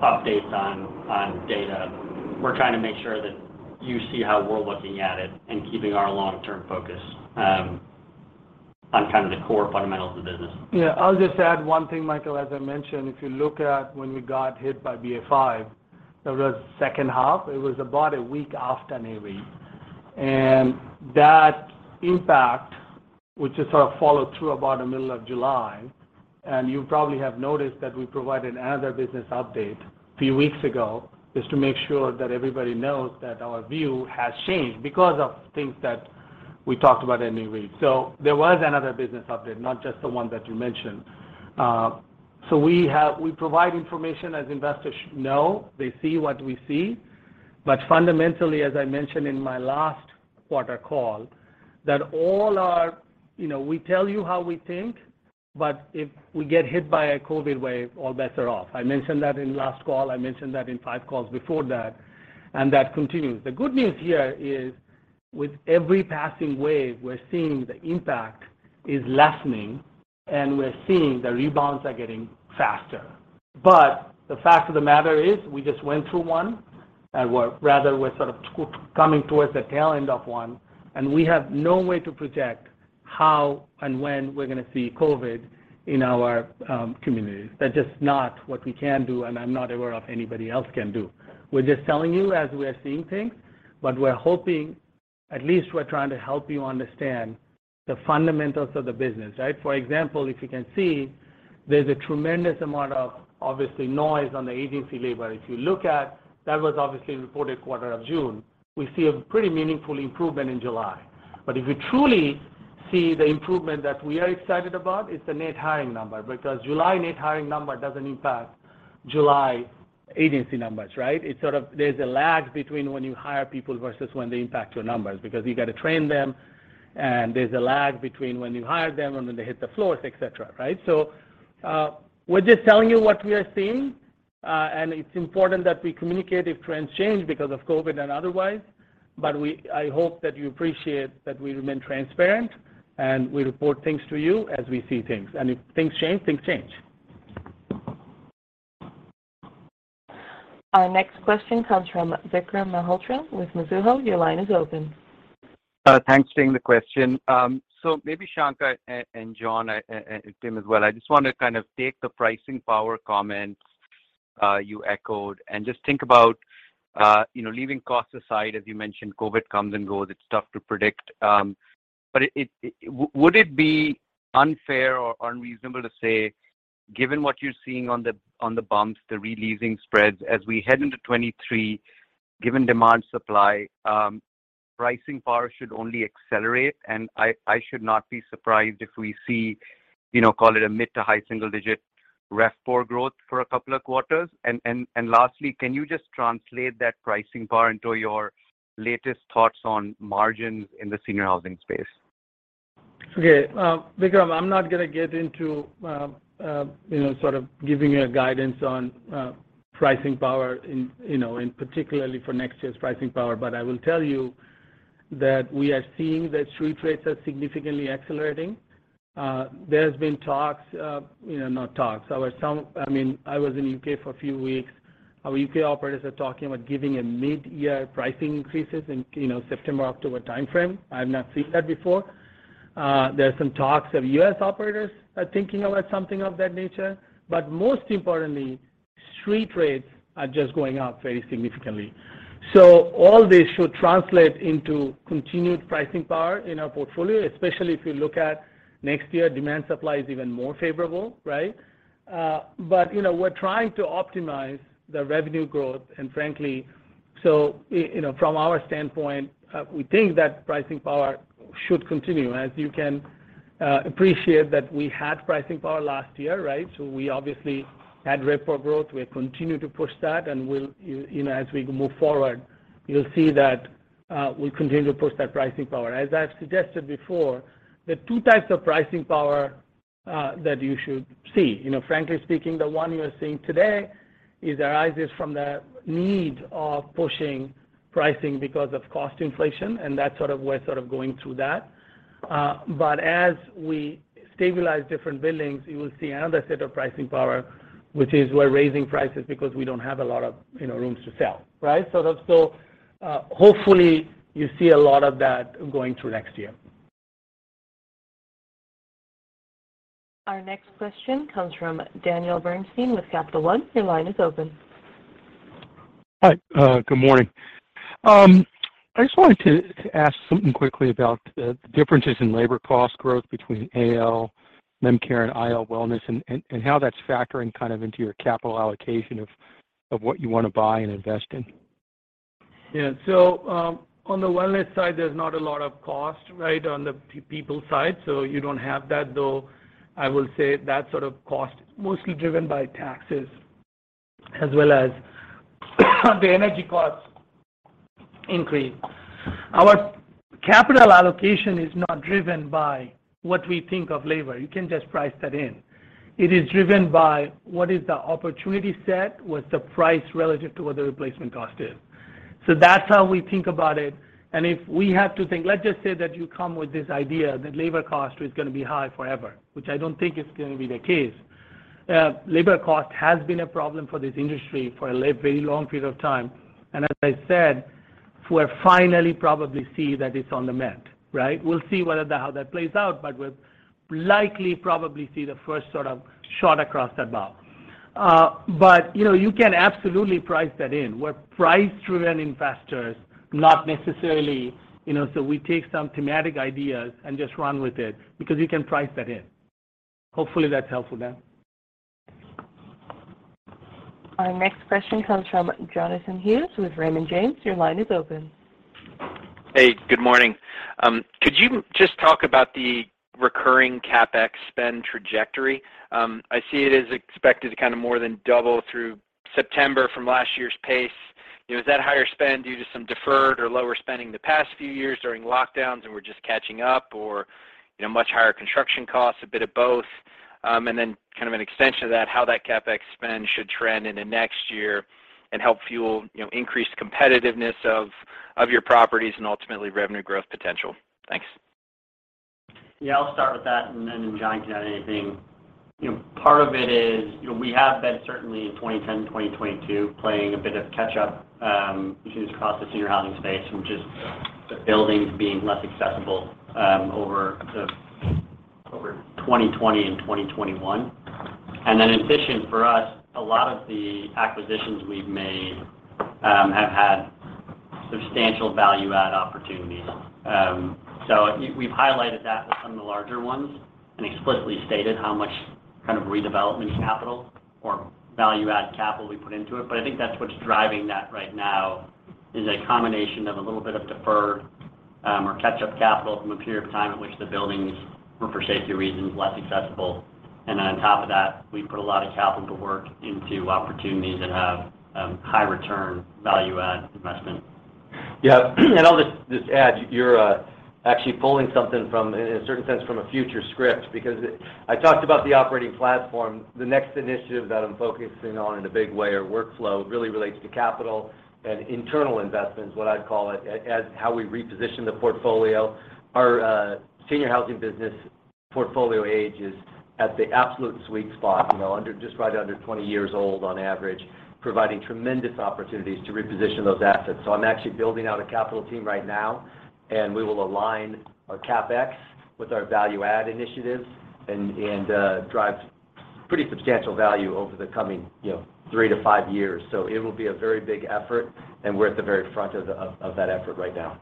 updates on data, we're trying to make sure that you see how we're looking at it and keeping our long-term focus on kind of the core fundamentals of the business. Yeah. I'll just add one thing, Michael. As I mentioned, if you look at when we got hit by BA.5, that was second half. It was about a week after Nareit. That impact, which is sort of followed through about the middle of July, and you probably have noticed that we provided another business update a few weeks ago, is to make sure that everybody knows that our view has changed because of things that we talked about at Nareit. There was another business update, not just the one that you mentioned. We provide information as investors should know. They see what we see. Fundamentally, as I mentioned in my last quarter call, that all our, you know, we tell you how we think, but if we get hit by a COVID wave, all bets are off. I mentioned that in last call. I mentioned that in five calls before that, and that continues. The good news here is with every passing wave, we're seeing the impact is lessening, and we're seeing the rebounds are getting faster. The fact of the matter is we just went through one, and we're sort of coming towards the tail end of one, and we have no way to project how and when we're going to see COVID in our communities. That's just not what we can do, and I'm not aware of anybody else can do. We're just telling you as we are seeing things, but we're hoping at least we're trying to help you understand the fundamentals of the business, right? For example, if you can see, there's a tremendous amount of obvious noise on the agency labor. If you look at that was obviously reported quarter of June. We see a pretty meaningful improvement in July. If you truly see the improvement that we are excited about, it's the net hiring number because July net hiring number doesn't impact July agency numbers, right? It's sort of there's a lag between when you hire people versus when they impact your numbers because you got to train them, and there's a lag between when you hire them and when they hit the floors, etc. Right? We're just telling you what we are seeing, and it's important that we communicate if trends change because of COVID and otherwise. I hope that you appreciate that we remain transparent, and we report things to you as we see things. If things change, things change. Our next question comes from Vikram Malhotra with Mizuho. Your line is open. Thanks for taking the question. So maybe, Shankh and John and Tim as well, I just want to kind of take the pricing power comments you echoed and just think about, you know, leaving cost aside, as you mentioned, COVID comes and goes. It's tough to predict. Would it be unfair or unreasonable to say given what you're seeing on the demand, the re-leasing spreads as we head into 2023, given demand supply, pricing power should only accelerate, and I should not be surprised if we see, you know, call it a mid to high single digit RevPAR growth for a couple of quarters. Lastly, can you just translate that pricing power into your latest thoughts on margins in the senior housing space? Okay. Vikram, I'm not going to get into, you know, sort of giving you a guidance on, pricing power in, you know, in particular for next year's pricing power. I will tell you that we are seeing that street rates are significantly accelerating. There's been talks, you know, not talks. I mean, I was in U.K. for a few weeks. Our U.K. operators are talking about giving a mid-year pricing increases in, you know, September, October time frame. I have not seen that before. There are some talks of U.S. operators are thinking about something of that nature. Most importantly, street rates are just going up very significantly. All this should translate into continued pricing power in our portfolio, especially if you look at next year, demand supply is even more favorable, right? You know, we're trying to optimize the revenue growth. Frankly, you know, from our standpoint, we think that pricing power should continue. As you can appreciate that we had pricing power last year, right? We obviously had RevPAR growth. We continue to push that, and we'll, you know, as we move forward, you'll see that, we continue to push that pricing power. As I've suggested before, there are two types of pricing power that you should see. You know, frankly speaking, the one you are seeing today arises from the need of pushing pricing because of cost inflation, and that's sort of, we're sort of going through that. As we stabilize different buildings, you will see another set of pricing power, which is we're raising prices because we don't have a lot of, you know, rooms to sell, right? That's so, hopefully, you see a lot of that going through next year. Our next question comes from Daniel Bernstein with Capital One. Your line is open. Hi. Good morning. I just wanted to ask something quickly about the differences in labor cost growth between AL, Memory Care, and IL/Wellness and how that's factoring kind of into your capital allocation of what you want to buy and invest in. Yeah. On the wellness side, there's not a lot of cost, right, on the people side. You don't have that, though I will say that sort of cost mostly driven by taxes as well as the energy costs increase. Our capital allocation is not driven by what we think of labor. You can just price that in. It is driven by what is the opportunity set, what's the price relative to what the replacement cost is. That's how we think about it. If we have to think, let's just say that you come with this idea that labor cost is going to be high forever, which I don't think is going to be the case. Labor cost has been a problem for this industry for a very long period of time. As I said, we're finally probably seeing that it's on the mend, right? We'll see whether how that plays out, but we'll likely probably see the first sort of shot across the bow. You know, you can absolutely price that in. We're price-driven investors, not necessarily, you know. We take some thematic ideas and just run with it because you can price that in. Hopefully, that's helpful, Dan. Our next question comes from Jonathan Hughes with Raymond James. Your line is open. Hey. Good morning. Could you just talk about the recurring CapEx spend trajectory? I see it is expected to kind of more than double through September from last year's pace. You know, is that higher spend due to some deferred or lower spending the past few years during lockdowns, and we're just catching up or, you know, much higher construction costs, a bit of both? Kind of an extension to that, how that CapEx spend should trend into next year and help fuel, you know, increased competitiveness of your properties and ultimately revenue growth potential? Thanks. Yeah, I'll start with that, and then John can add anything. You know, part of it is, you know, we have been certainly in 2021, 2022 playing a bit of catch up, issues across the senior housing space and just the buildings being less accessible, over 2020 and 2021. Then in addition for us, a lot of the acquisitions we've made have had substantial value add opportunities. So we've highlighted that with some of the larger ones and explicitly stated how much kind of redevelopment capital or value add capital we put into it. But I think that's what's driving that right now is a combination of a little bit of deferred, or catch-up capital from a period of time in which the buildings were, for safety reasons, less accessible. On top of that, we put a lot of capital to work into opportunities that have high return value add investment. Yeah. I'll just add, you're actually pulling something from, in a certain sense, from a future script because it. I talked about the operating platform. The next initiative that I'm focusing on in a big way or workflow really relates to capital and internal investments, what I'd call it, as how we reposition the portfolio. Our senior housing business portfolio age is at the absolute sweet spot. You know, just under 20 years old on average, providing tremendous opportunities to reposition those assets. I'm actually building out a capital team right now, and we will align our CapEx with our value add initiatives and drive pretty substantial value over the coming, you know, 3-5 years. It will be a very big effort, and we're at the very front of that effort right now.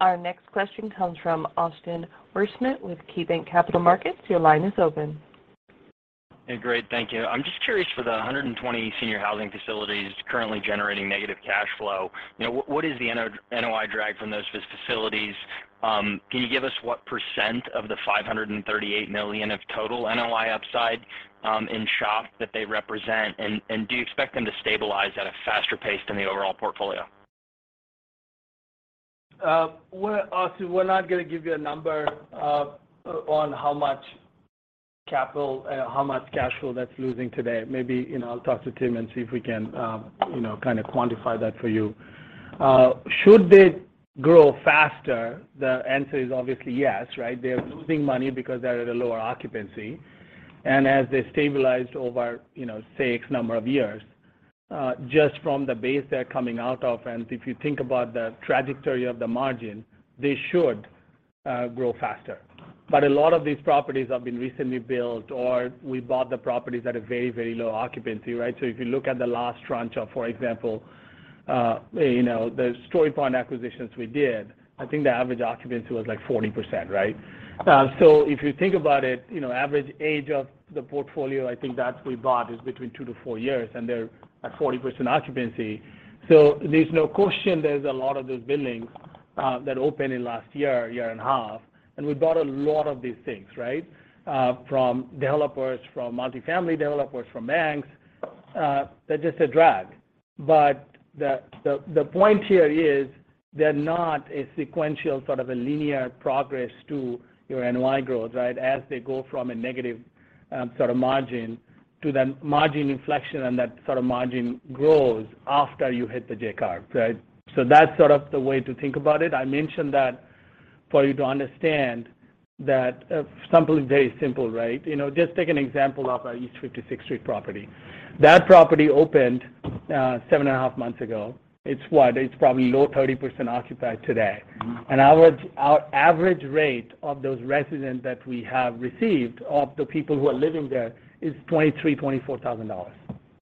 Our next question comes from Austin Wurschmidt with KeyBanc Capital Markets. Your line is open. Hey. Great. Thank you. I'm just curious, for the 120 senior housing facilities currently generating negative cash flow, you know, what is the NOI drag from those facilities? Can you give us what percent of the $538 million of total NOI upside in SHO that they represent? Do you expect them to stabilize at a faster pace than the overall portfolio? Austin, we're not going to give you a number on how much capital, how much cash flow that's losing today. Maybe, you know, I'll talk to Tim and see if we can, you know, kind of quantify that for you. Should they grow faster, the answer is obviously yes, right? They're losing money because they're at a lower occupancy. As they stabilized over, you know, say, X number of years, just from the base they're coming out of and if you think about the trajectory of the margin, they should grow faster. A lot of these properties have been recently built or we bought the properties at a very, very low occupancy, right? If you look at the last tranche of, for example, you know, the StoryPoint acquisitions we did, I think the average occupancy was, like, 40%, right? If you think about it, you know, average age of the portfolio, I think that we bought is between 2-4 years, and they're at 40% occupancy. There's no question there's a lot of those buildings that opened in last year and a half, and we bought a lot of these things, right? From developers, from multifamily developers, from banks, they're just a drag. But the point here is they're not a sequential sort of a linear progress to your NOI growth, right? As they go from a negative sort of margin to the margin inflection and that sort of margin grows after you hit the J-curve, right? That's sort of the way to think about it. I mentioned that for you to understand that, something very simple, right? You know, just take an example of our East 56th Street property. That property opened seven and a half months ago. It's what? It's probably low 30% occupied today. And our average rate of those residents that we have received, of the people who are living there is $23,000-$24,000,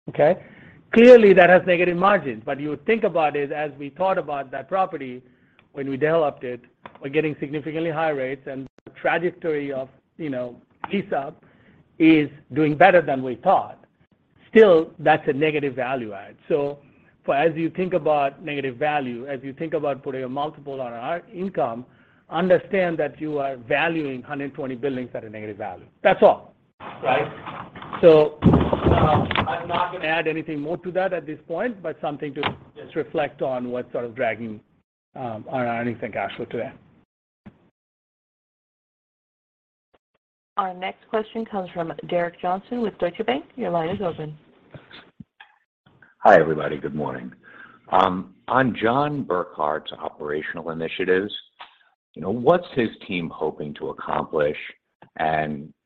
okay? Clearly, that has negative margins, but you think about it as we thought about that property when we developed it, we're getting significantly higher rates and the trajectory of, you know, lease-up is doing better than we thought. Still, that's a negative value add. As you think about negative value, as you think about putting a multiple on our income, understand that you are valuing 120 buildings at a negative value. That's all, right? I'm not going to add anything more to that at this point, but something to just reflect on what's sort of dragging on our earning and cash flow today. Our next question comes from Derek Johnston with Deutsche Bank. Your line is open. Thanks. Hi, everybody. Good morning. On John Burkart's operational initiatives, you know, what's his team hoping to accomplish?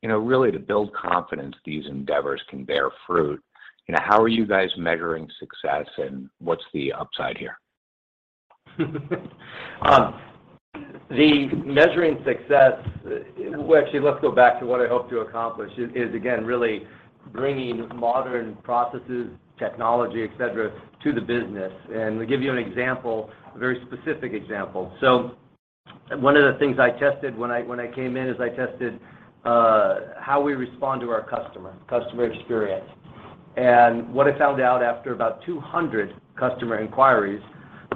You know, really to build confidence these endeavors can bear fruit, you know, how are you guys measuring success, and what's the upside here? Well, actually, let's go back to what I hope to accomplish is again really bringing modern processes, technology, et cetera, to the business. To give you an example, a very specific example. One of the things I tested when I came in is I tested how we respond to our customer experience. What I found out after about 200 customer inquiries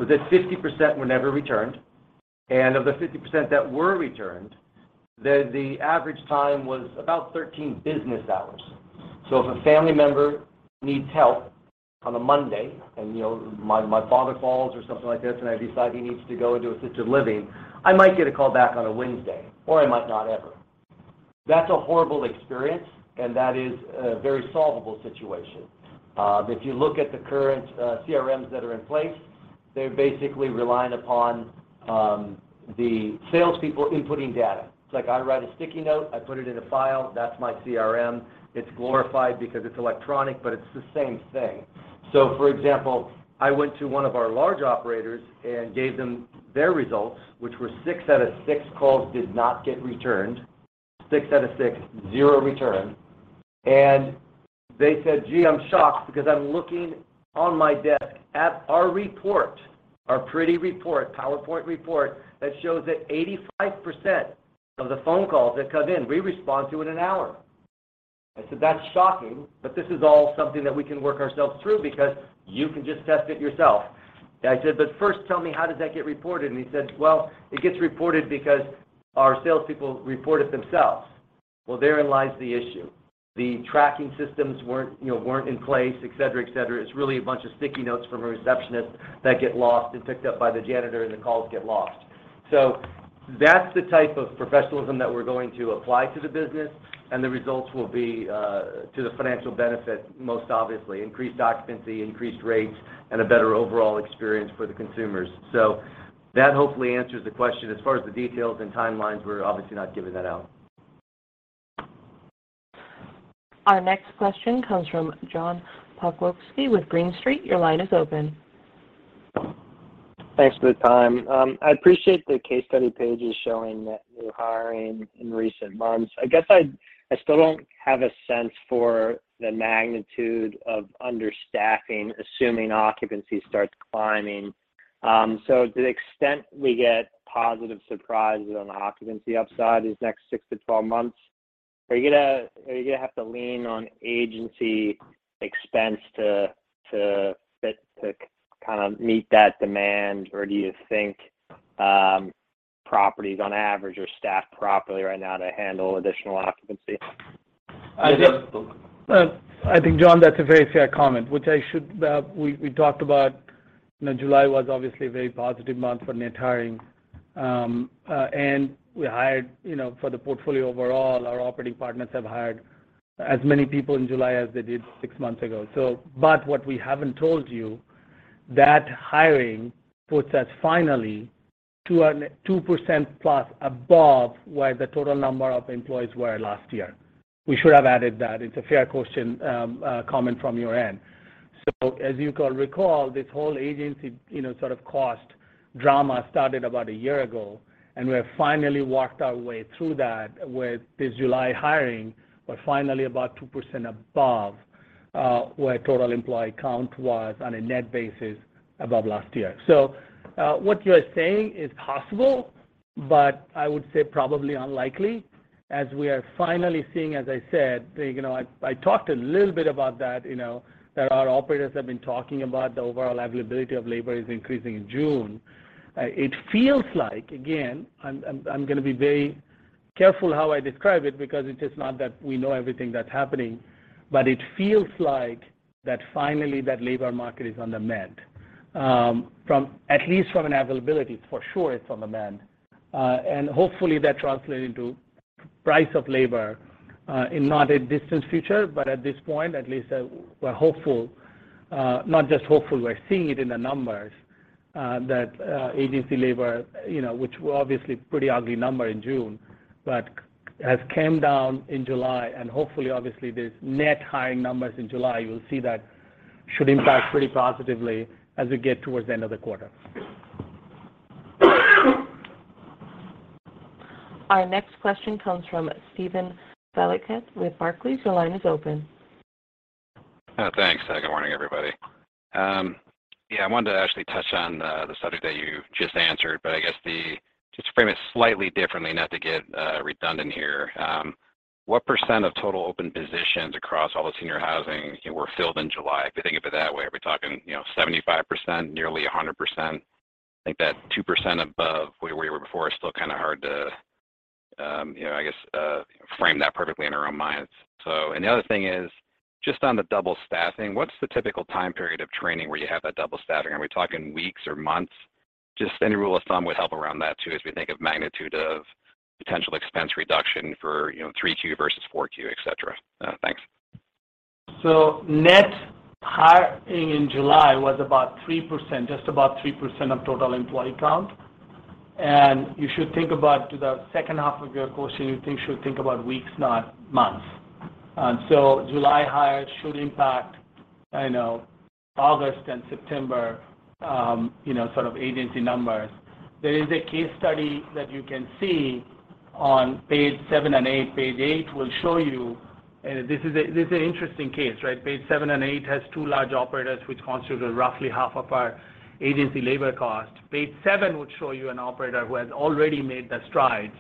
was that 50% were never returned, and of the 50% that were returned, the average time was about 13 business hours. If a family member needs help on a Monday, and, you know, my father falls or something like this, and I decide he needs to go into assisted living, I might get a call back on a Wednesday, or I might not ever. That's a horrible experience, and that is a very solvable situation. If you look at the current CRMs that are in place, they're basically reliant upon the sales people inputting data. It's like I write a sticky note, I put it in a file, that's my CRM. It's glorified because it's electronic, but it's the same thing. For example, I went to one of our large operators and gave them their results, which were 6 out of 6 calls did not get returned. Six out of 6, zero return. They said, "Gee, I'm shocked because I'm looking on my desk at our report, our pretty report, PowerPoint report, that shows that 85% of the phone calls that come in, we respond to in an hour." I said, "That's shocking, but this is all something that we can work ourselves through because you can just test it yourself." I said, "But first, tell me how does that get reported?" He said, "Well, it gets reported because our sales people report it themselves." Well, therein lies the issue. The tracking systems weren't, you know, weren't in place, et cetera, et cetera. It's really a bunch of sticky notes from a receptionist that get lost and picked up by the janitor and the calls get lost. That's the type of professionalism that we're going to apply to the business, and the results will be to the financial benefit, most obviously. Increased occupancy, increased rates, and a better overall experience for the consumers. That hopefully answers the question. As far as the details and timelines, we're obviously not giving that out. Our next question comes from John Kilichowski with Green Street. Your line is open. Thanks for the time. I appreciate the case study pages showing net new hiring in recent months. I guess I still don't have a sense for the magnitude of understaffing, assuming occupancy starts climbing. To the extent we get positive surprises on the occupancy upside these next 6 to 12 months, are you going to have to lean on agency expense to kind of meet that demand? Or do you think properties on average are staffed properly right now to handle additional occupancy? I just. I think, John, that's a very fair comment, which I should. We talked about, you know, July was obviously a very positive month for net hiring. We hired, you know, for the portfolio overall, our operating partners have hired as many people in July as they did six months ago. But what we haven't told you, that hiring puts us finally 2% plus above where the total number of employees were last year. We should have added that. It's a fair question, comment from your end. As you can recall, this whole agency, you know, sort of cost drama started about a year ago, and we have finally worked our way through that with this July hiring. We're finally about 2% above where total employee count was on a net basis above last year. What you're saying is possible, but I would say probably unlikely, as we are finally seeing, as I said, you know, I talked a little bit about that, you know, that our operators have been talking about the overall availability of labor is increasing in June. It feels like, again, I'm going to be very careful how I describe it because it is not that we know everything that's happening, but it feels like that finally that labor market is on the mend, from at least from an availability, for sure it's on the mend. And hopefully that translate into price of labor, in not a distant future, but at this point, at least, we're hopeful. Not just hopeful, we're seeing it in the numbers, that agency labor, you know, which were obviously pretty ugly number in June, but has came down in July, and hopefully obviously these net hiring numbers in July, you'll see that should impact pretty positively as we get towards the end of the quarter. Our next question comes from Steven Valiquette with Barclays. Your line is open. Thanks. Good morning, everybody. Yeah, I wanted to actually touch on the subject that you just answered, but I guess just to frame it slightly differently, not to get redundant here. What percent of total open positions across all the senior housing, you know, were filled in July? If you think of it that way, are we talking, you know, 75%, nearly 100%? I think that 2% above where you were before is still kind of hard to, you know, I guess, frame that perfectly in our own minds. The other thing is, just on the double staffing, what's the typical time period of training where you have that double staffing? Are we talking weeks or months? Just any rule of thumb would help around that too as we think of magnitude of potential expense reduction for, you know, 3Q versus 4Q, et cetera. Thanks. Net hiring in July was about 3%, just about 3% of total employee count. You should think about the second half of your question, weeks, not months. July hires should impact, I don't know, August and September, you know, sort of agency numbers. There is a case study that you can see on page seven and eight. Page eight will show you. This is an interesting case, right? Page seven and eight has two large operators which constitute roughly half of our agency labor cost. Page seven would show you an operator who has already made the strides,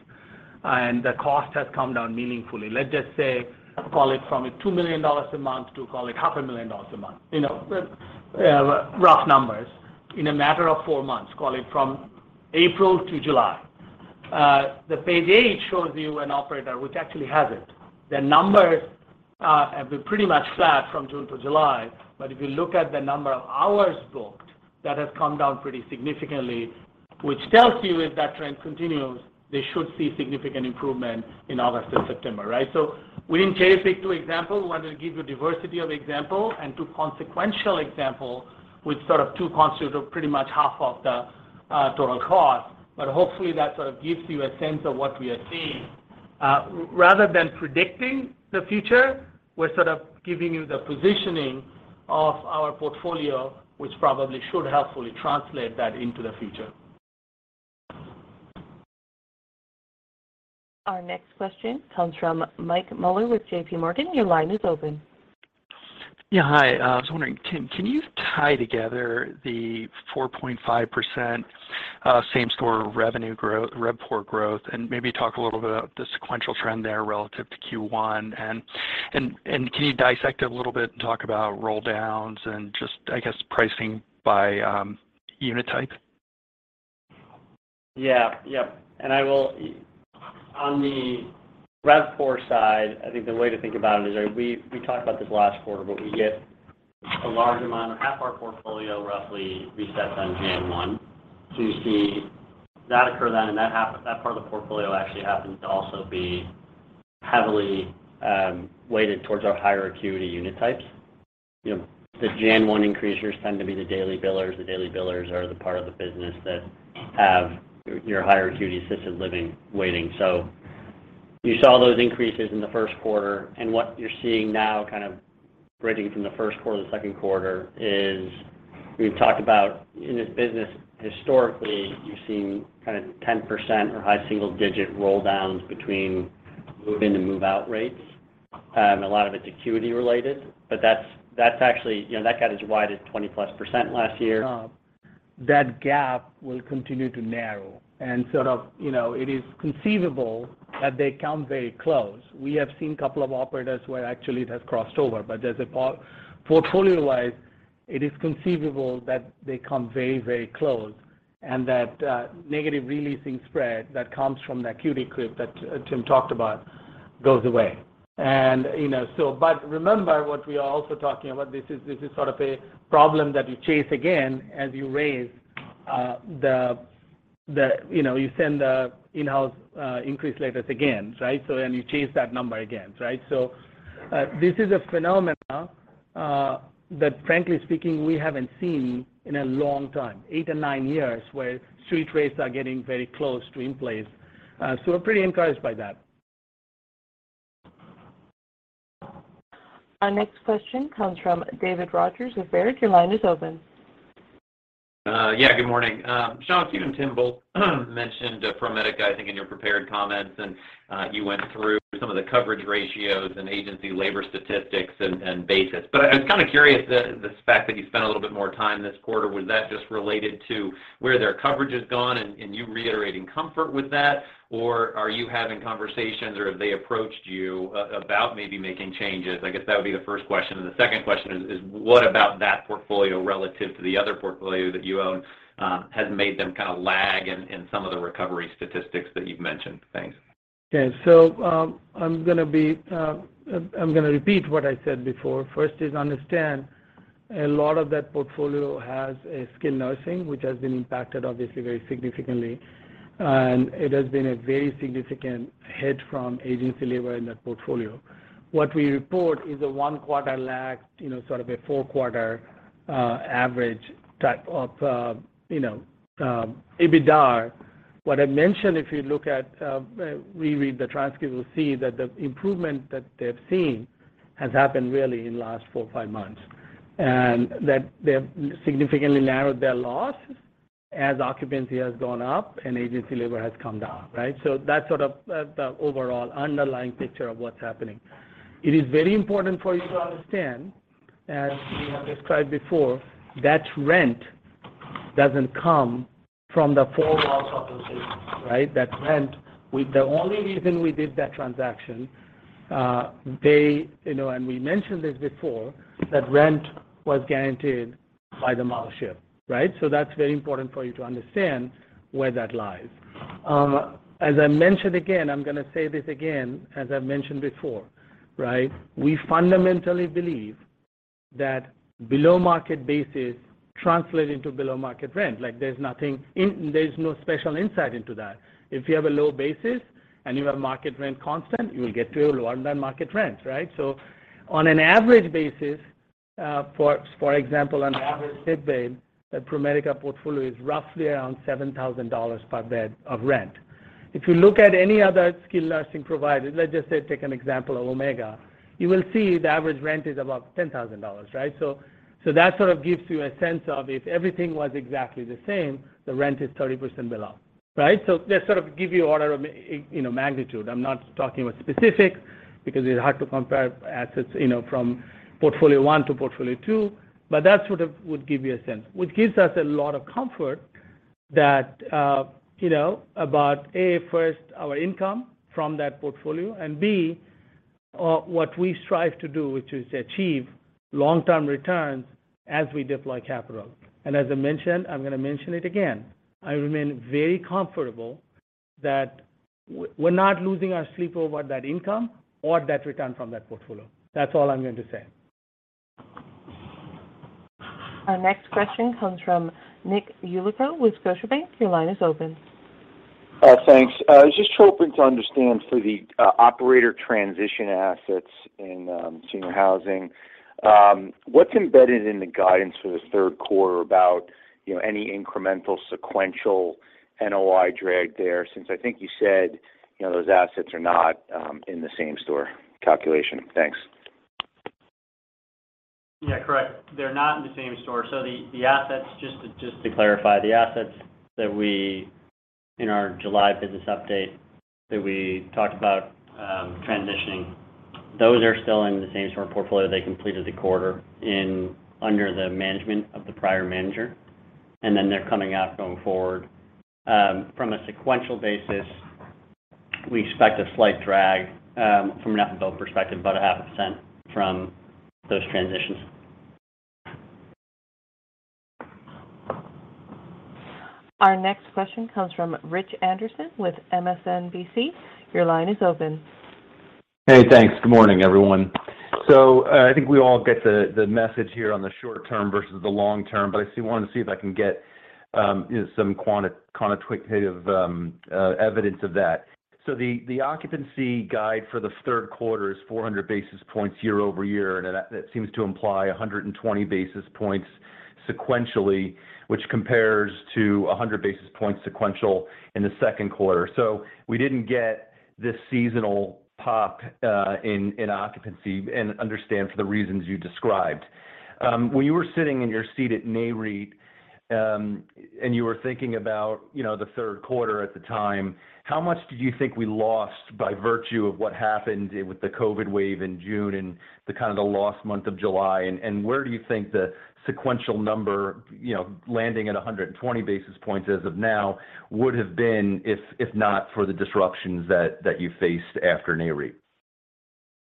and the cost has come down meaningfully. Let's just say, call it from $2 million a month to call it $500,000 dollars a month, you know? Rough numbers in a matter of four months, call it from April to July. The page eight shows you an operator which actually hasn't. The numbers, and we're pretty much flat from June to July. If you look at the number of hours booked, that has come down pretty significantly, which tells you if that trend continues, they should see significant improvement in August and September, right? We didn't cherry-pick two examples. Wanted to give you a diversity of example and two consequential example, which sort of two constitute of pretty much half of the total cost. Hopefully, that sort of gives you a sense of what we are seeing. Rather than predicting the future, we're sort of giving you the positioning of our portfolio, which probably should helpfully translate that into the future. Our next question comes from Mike Mueller with JP Morgan. Your line is open. Yeah. Hi. I was wondering, Tim, can you tie together the 4.5% same-store revenue RevPAR growth, and maybe talk a little bit about the sequential trend there relative to Q1? Can you dissect a little bit and talk about roll downs and just, I guess, pricing by unit type? On the RevPAR side, I think the way to think about it is, right, we talked about this last quarter, but we get a large amount or half our portfolio roughly resets on Jan. 1. So you see that occur then, and that part of the portfolio actually happens to also be heavily weighted towards our higher acuity unit types. You know, the Jan. 1 increases tend to be the daily billers. The daily billers are the part of the business that have your higher acuity assisted living weighting. So you saw those increases in the first quarter, and what you're seeing now, kind of bridging from the first quarter to the second quarter, is we've talked about in this business, historically, you've seen kind of 10% or high single-digit roll downs between move-in and move-out rates. A lot of it's acuity related, but that's actually, you know, that got as wide as 20%+ last year. That gap will continue to narrow, and sort of, you know, it is conceivable that they come very close. We have seen a couple of operators where actually it has crossed over, but there's a portfolio wide, it is conceivable that they come very, very close, and that negative re-leasing spread that Tim talked about goes away. You know, so but remember what we are also talking about. This is sort of a problem that you chase again as you raise the, you know, you send the in-house increase letters again, right? And you chase that number again, right? This is a phenomena that frankly speaking, we haven't seen in a long time, eight or nine years, where street rates are getting very close to in place. We're pretty encouraged by that. Our next question comes from David Rodgers with Baird. Your line is open. Yeah, good morning. Shankh, you and Tim both mentioned ProMedica, I think, in your prepared comments, and you went through some of the coverage ratios and agency labor statistics and basis. I was kind of curious the fact that you spent a little bit more time this quarter, was that just related to where their coverage has gone and you reiterating comfort with that? Or are you having conversations, or have they approached you about maybe making changes? I guess that would be the first question. The second question is, what about that portfolio relative to the other portfolio that you own has made them kind of lag in some of the recovery statistics that you've mentioned? Thanks. Okay. I'm going to repeat what I said before. First is understand a lot of that portfolio has a skilled nursing, which has been impacted obviously very significantly, and it has been a very significant hit from agency labor in that portfolio. What we report is a 1-quarter lag, you know, sort of a 4-quarter average type of EBITDA. What I mentioned, if you look at re-read the transcript, you'll see that the improvement that they've seen has happened really in the last 4 or 5 months. That they have significantly narrowed their loss as occupancy has gone up and agency labor has come down, right? That's sort of the overall underlying picture of what's happening. It is very important for you to understand, as we have described before, that rent doesn't come from the four walls of those agents, right? That rent, the only reason we did that transaction, and we mentioned this before, that rent was guaranteed by the mothership, right? That's very important for you to understand where that lies. As I mentioned again, I'm going to say this again, as I've mentioned before, right? We fundamentally believe that below-market basis translate into below-market rent. Like, there's no special insight into that. If you have a low basis and you have market rent constant, you will get to a lower than market rent, right? On an average basis, for example, on average bed base, the ProMedica portfolio is roughly around $7,000 per bed of rent. If you look at any other skilled nursing provider, let's just say, take an example of Omega, you will see the average rent is about $10,000, right? So that sort of gives you a sense of if everything was exactly the same, the rent is 30% below, right? So just sort of give you order of, you know, magnitude. I'm not talking about specifics because it's hard to compare assets, you know, from portfolio one to portfolio two, but that sort of would give you a sense. Which gives us a lot of comfort that, you know, about A, first, our income from that portfolio, and B, what we strive to do, which is achieve long-term returns as we deploy capital. As I mentioned, I'm going to mention it again. I remain very comfortable that we're not losing our sleep over that income or that return from that portfolio. That's all I'm going to say. Our next question comes from Nick Yulico with Scotiabank. Your line is open. Thanks. I was just hoping to understand through the operator transition assets in senior housing what's embedded in the guidance for the third quarter about, you know, any incremental sequential NOI drag there, since I think you said, you know, those assets are not in the same store calculation? Thanks. Yeah, correct. They're not in the same-store. The assets, just to clarify, the assets that we in our July business update that we talked about transitioning, those are still in the same-store portfolio. They completed the quarter under the management of the prior manager, and then they're coming out going forward. From a sequential basis, we expect a slight drag from an apples-to-apples perspective, about 0.5% from those transitions. Our next question comes from Rich Anderson with SMBC. Your line is open. Hey, thanks. Good morning, everyone. I think we all get the message here on the short-term versus the long-term, but I still wanted to see if I can get, you know, some quantitative evidence of that. The occupancy guide for the third quarter is 400 basis points year-over-year, and that seems to imply 120 basis points sequentially, which compares to 100 basis points sequentially in the second quarter. We didn't get this seasonal pop in occupancy and I understand for the reasons you described. When you were sitting in your seat at Nareit and you were thinking about, you know, the third quarter at the time, how much do you think we lost by virtue of what happened with the COVID wave in June and the kind of the lost month of July? Where do you think the sequential number, you know, landing at 120 basis points as of now would have been if not for the disruptions that you faced after Nareit?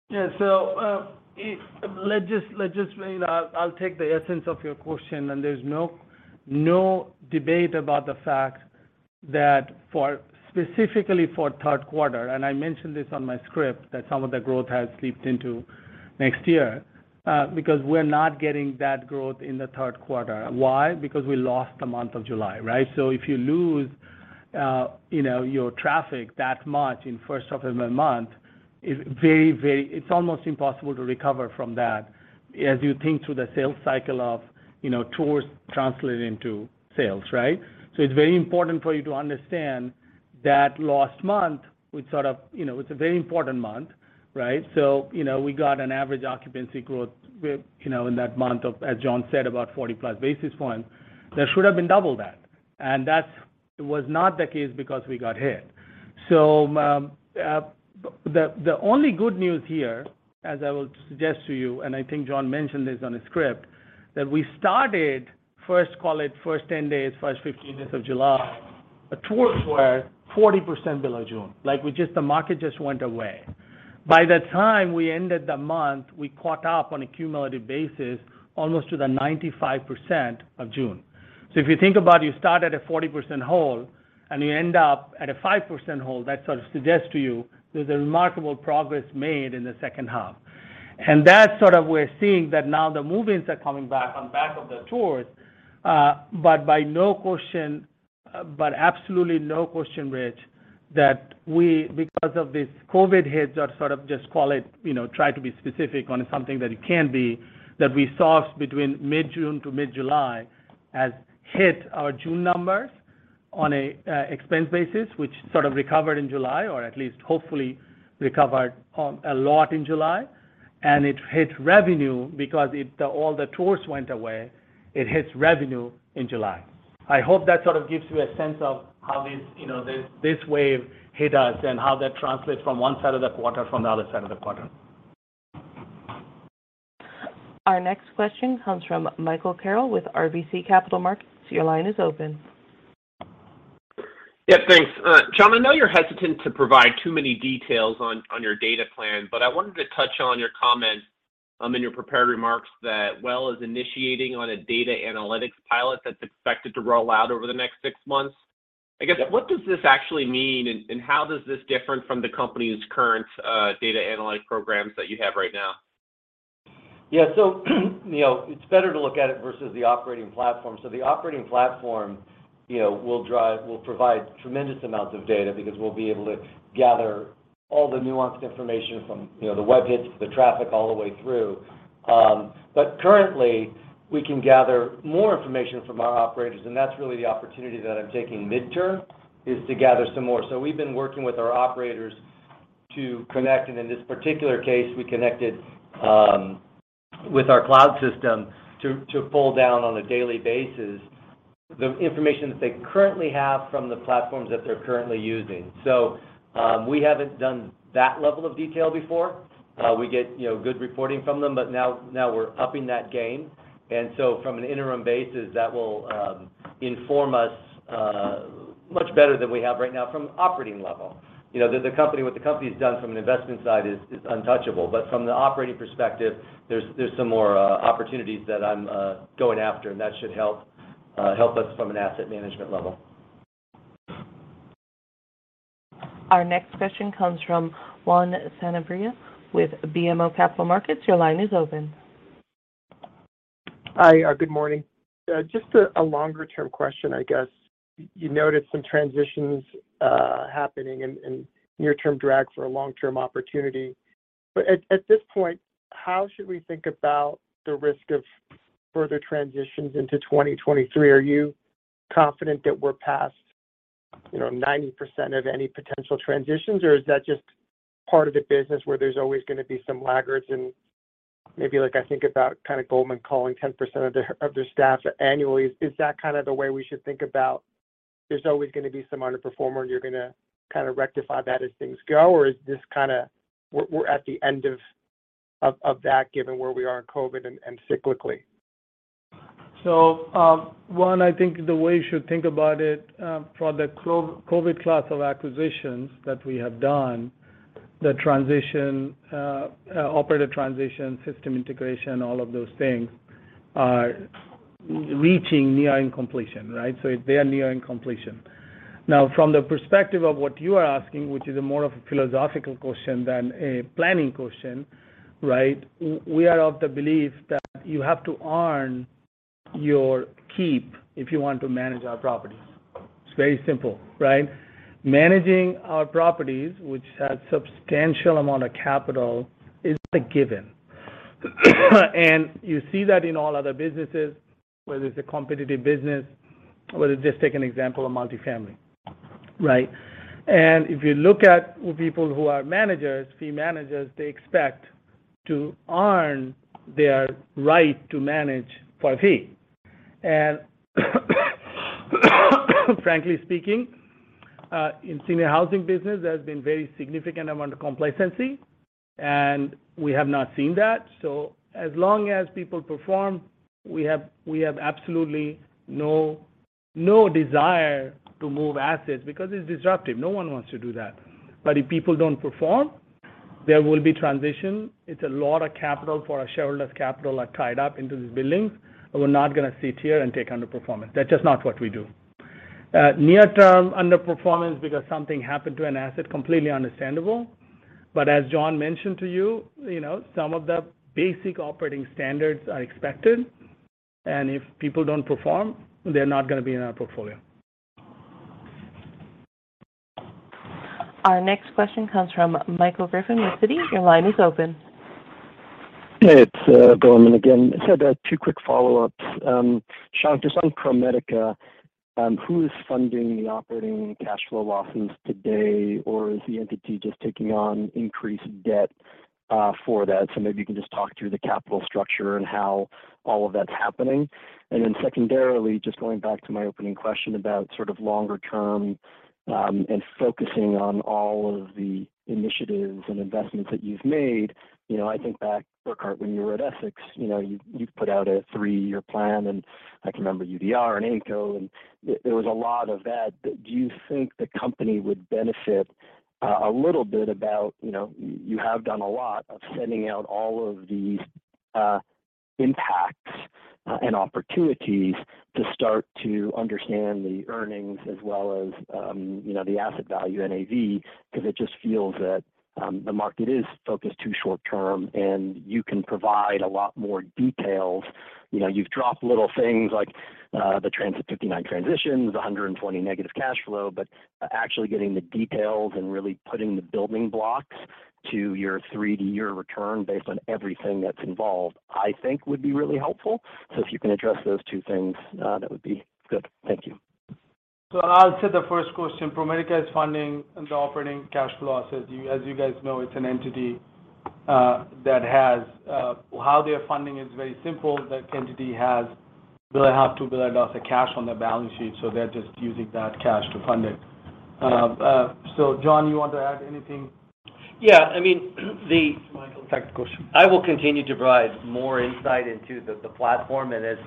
Yeah. You know, I'll take the essence of your question, and there's no debate about the fact that specifically for third quarter, and I mentioned this on my script, that some of the growth has slipped into next year because we're not getting that growth in the third quarter. Why? Because we lost the month of July, right? If you lose you know, your traffic that much in first of the month, it's almost impossible to recover from that as you think through the sales cycle of, you know, tours translating to sales, right? It's very important for you to understand that lost month, which sort of, you know, it's a very important month, right? You know, we got an average occupancy growth with, you know, in that month of, as John said, about 40+ basis points. That should have been double that, and that was not the case because we got hit. The only good news here, as I will suggest to you, and I think John mentioned this on the script, that we started first 10 days, first 15 days of July, tours were 40% below June. Like, we just, the market just went away. By the time we ended the month, we caught up on a cumulative basis almost to the 95% of June. If you think about it, you start at a 40% hole, and you end up at a 5% hole, that sort of suggests to you there's a remarkable progress made in the second half. That's sort of what we're seeing that now the move-ins are coming back on the back of the tours. But absolutely no question, Rich, that we, because of this COVID hit or sort of just call it, you know, try to be specific on something that it can be, that we saw between mid-June to mid-July has hit our June numbers on an expense basis, which sort of recovered in July, or at least hopefully recovered a lot in July. It hit revenue because it all the tours went away. It hit revenue in July. I hope that sort of gives you a sense of how this, you know, this wave hit us and how that translates from one side of the quarter from the other side of the quarter. Our next question comes from Michael Carroll with RBC Capital Markets. Your line is open. Yeah, thanks. John, I know you're hesitant to provide too many details on your data plan, but I wanted to touch on your comment in your prepared remarks that WELL is initiating on a data analytics pilot that's expected to roll out over the next six months. I guess, what does this actually mean, and how does this differ from the company's current data analytics programs that you have right now? Yeah. You know, it's better to look at it versus the operating platform. The operating platform, you know, will provide tremendous amounts of data because we'll be able to gather all the nuanced information from, you know, the web hits, the traffic all the way through. Currently, we can gather more information from our operators, and that's really the opportunity that I'm taking midterm, is to gather some more. We've been working with our operators to connect, and in this particular case, we connected with our cloud system to pull down on a daily basis the information that they currently have from the platforms that they're currently using. We haven't done that level of detail before. We get, you know, good reporting from them, but now we're upping that game. From an interim basis, that will inform us much better than we have right now from operating level. You know, the company what the company's done from an investment side is untouchable. From the operating perspective, there's some more opportunities that I'm going after, and that should help us from an asset management level. Our next question comes from Juan Sanabria with BMO Capital Markets. Your line is open. Hi. Good morning. Just a longer-term question, I guess. You noticed some transitions happening and near-term drag for a long-term opportunity. At this point, how should we think about the risk of further transitions into 2023? Are you confident that we're past 90% of any potential transitions? Or is that just part of the business where there's always going to be some laggards and maybe like I think about kind of Goldman culling 10% of their staff annually. Is that kind of the way we should think about there's always going to be some underperformer and you're going to kind of rectify that as things go? Or is this kind of we're at the end of that given where we are in COVID and cyclically? Juan, I think the way you should think about it, for the COVID class of acquisitions that we have done, the transition, operational transition, system integration, all of those things are reaching near completion, right? They are near completion. Now, from the perspective of what you are asking, which is more of a philosophical question than a planning question, right, we are of the belief that you have to earn your keep if you want to manage our properties. It's very simple, right? Managing our properties, which has substantial amount of capital, is a given. You see that in all other businesses, whether it's a competitive business, or just take an example of multifamily, right? If you look at people who are managers, fee managers, they expect to earn their right to manage for a fee. Frankly speaking, in senior housing business, there's been very significant amount of complacency, and we have not seen that. As long as people perform, we have absolutely no desire to move assets because it's disruptive. No one wants to do that. If people don't perform, there will be transition. It's a lot of capital for our shareholders' capital are tied up into these buildings, and we're not going to sit here and take underperformance. That's just not what we do. Near term underperformance because something happened to an asset, completely understandable. As John mentioned to you know, some of the basic operating standards are expected, and if people don't perform, they're not going to be in our portfolio. Our next question comes from Michael Griffin with Citi. Your line is open. It's Goldman again. Two quick follow-ups. Shankh, just on ProMedica, who is funding the operating cash flow losses today, or is the entity just taking on increased debt for that? Maybe you can just talk through the capital structure and how all of that's happening. Then secondarily, just going back to my opening question about sort of longer term, and focusing on all of the initiatives and investments that you've made. You know, I think back, Burkart, when you were at Essex, you know, you've put out a three-year plan, and I can remember UDR and AvalonBay, and there was a lot of that. Do you think the company would benefit a little bit about, you know, you have done a lot of sending out all of these impacts and opportunities to start to understand the earnings as well as, you know, the asset value NAV, because it just feels that the market is focused too short-term, and you can provide a lot more details. You know, you've dropped little things like the 59 transitions, 120 negative cash flow, but actually getting the details and really putting the building blocks to your three-year return based on everything that's involved, I think would be really helpful. If you can address those two things, that would be good. Thank you. I'll take the first question. ProMedica is funding the operating cash flows. As you guys know, it's an entity that has how they are funding is very simple. The entity has $1.5 billion-$2 billion of cash on their balance sheet, so they're just using that cash to fund it. John, you want to add anything. Yeah. I mean. Michael, thanks for the question. I will continue to provide more insight into the platform. As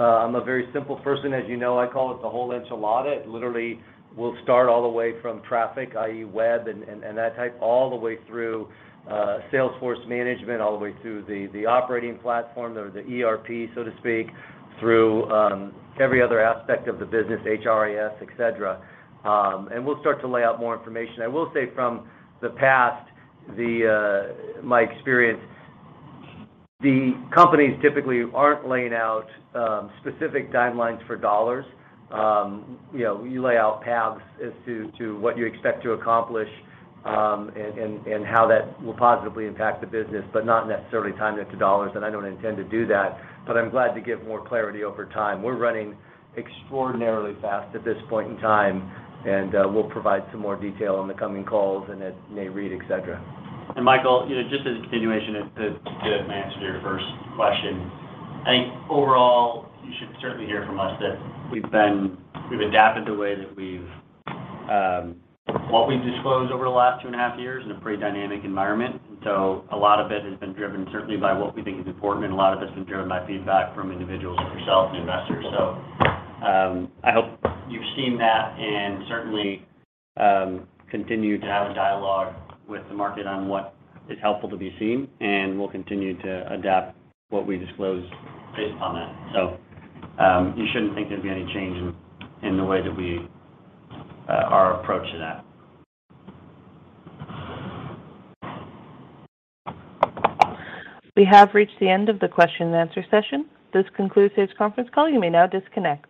I'm a very simple person, as you know, I call it the whole enchilada. Literally, we'll start all the way from traffic, i.e., web and that type, all the way through Salesforce management, all the way through the operating platform, the ERP, so to speak, through every other aspect of the business, HRIS, et cetera. We'll start to lay out more information. I will say from the past, my experience, the companies typically aren't laying out specific timelines for dollars. You know, you lay out paths as to what you expect to accomplish, and how that will positively impact the business, but not necessarily time it to dollars. I don't intend to do that, but I'm glad to give more clarity over time. We're running extraordinarily fast at this point in time, and we'll provide some more detail on the coming calls and at our read, et cetera. Michael, you know, just as a continuation of a good answer to your first question, I think overall, you should certainly hear from us that we've adapted the way that we've what we've disclosed over the last 2.5 years in a pretty dynamic environment. A lot of it has been driven certainly by what we think is important, and a lot of it's been driven by feedback from individuals like yourself and investors. I hope you've seen that and certainly continue to have a dialogue with the market on what is helpful to be seen, and we'll continue to adapt what we disclose based on that. You shouldn't think there'd be any change in the way that we our approach to that. We have reached the end of the question-and-answer session. This concludes today's conference call. You may now disconnect.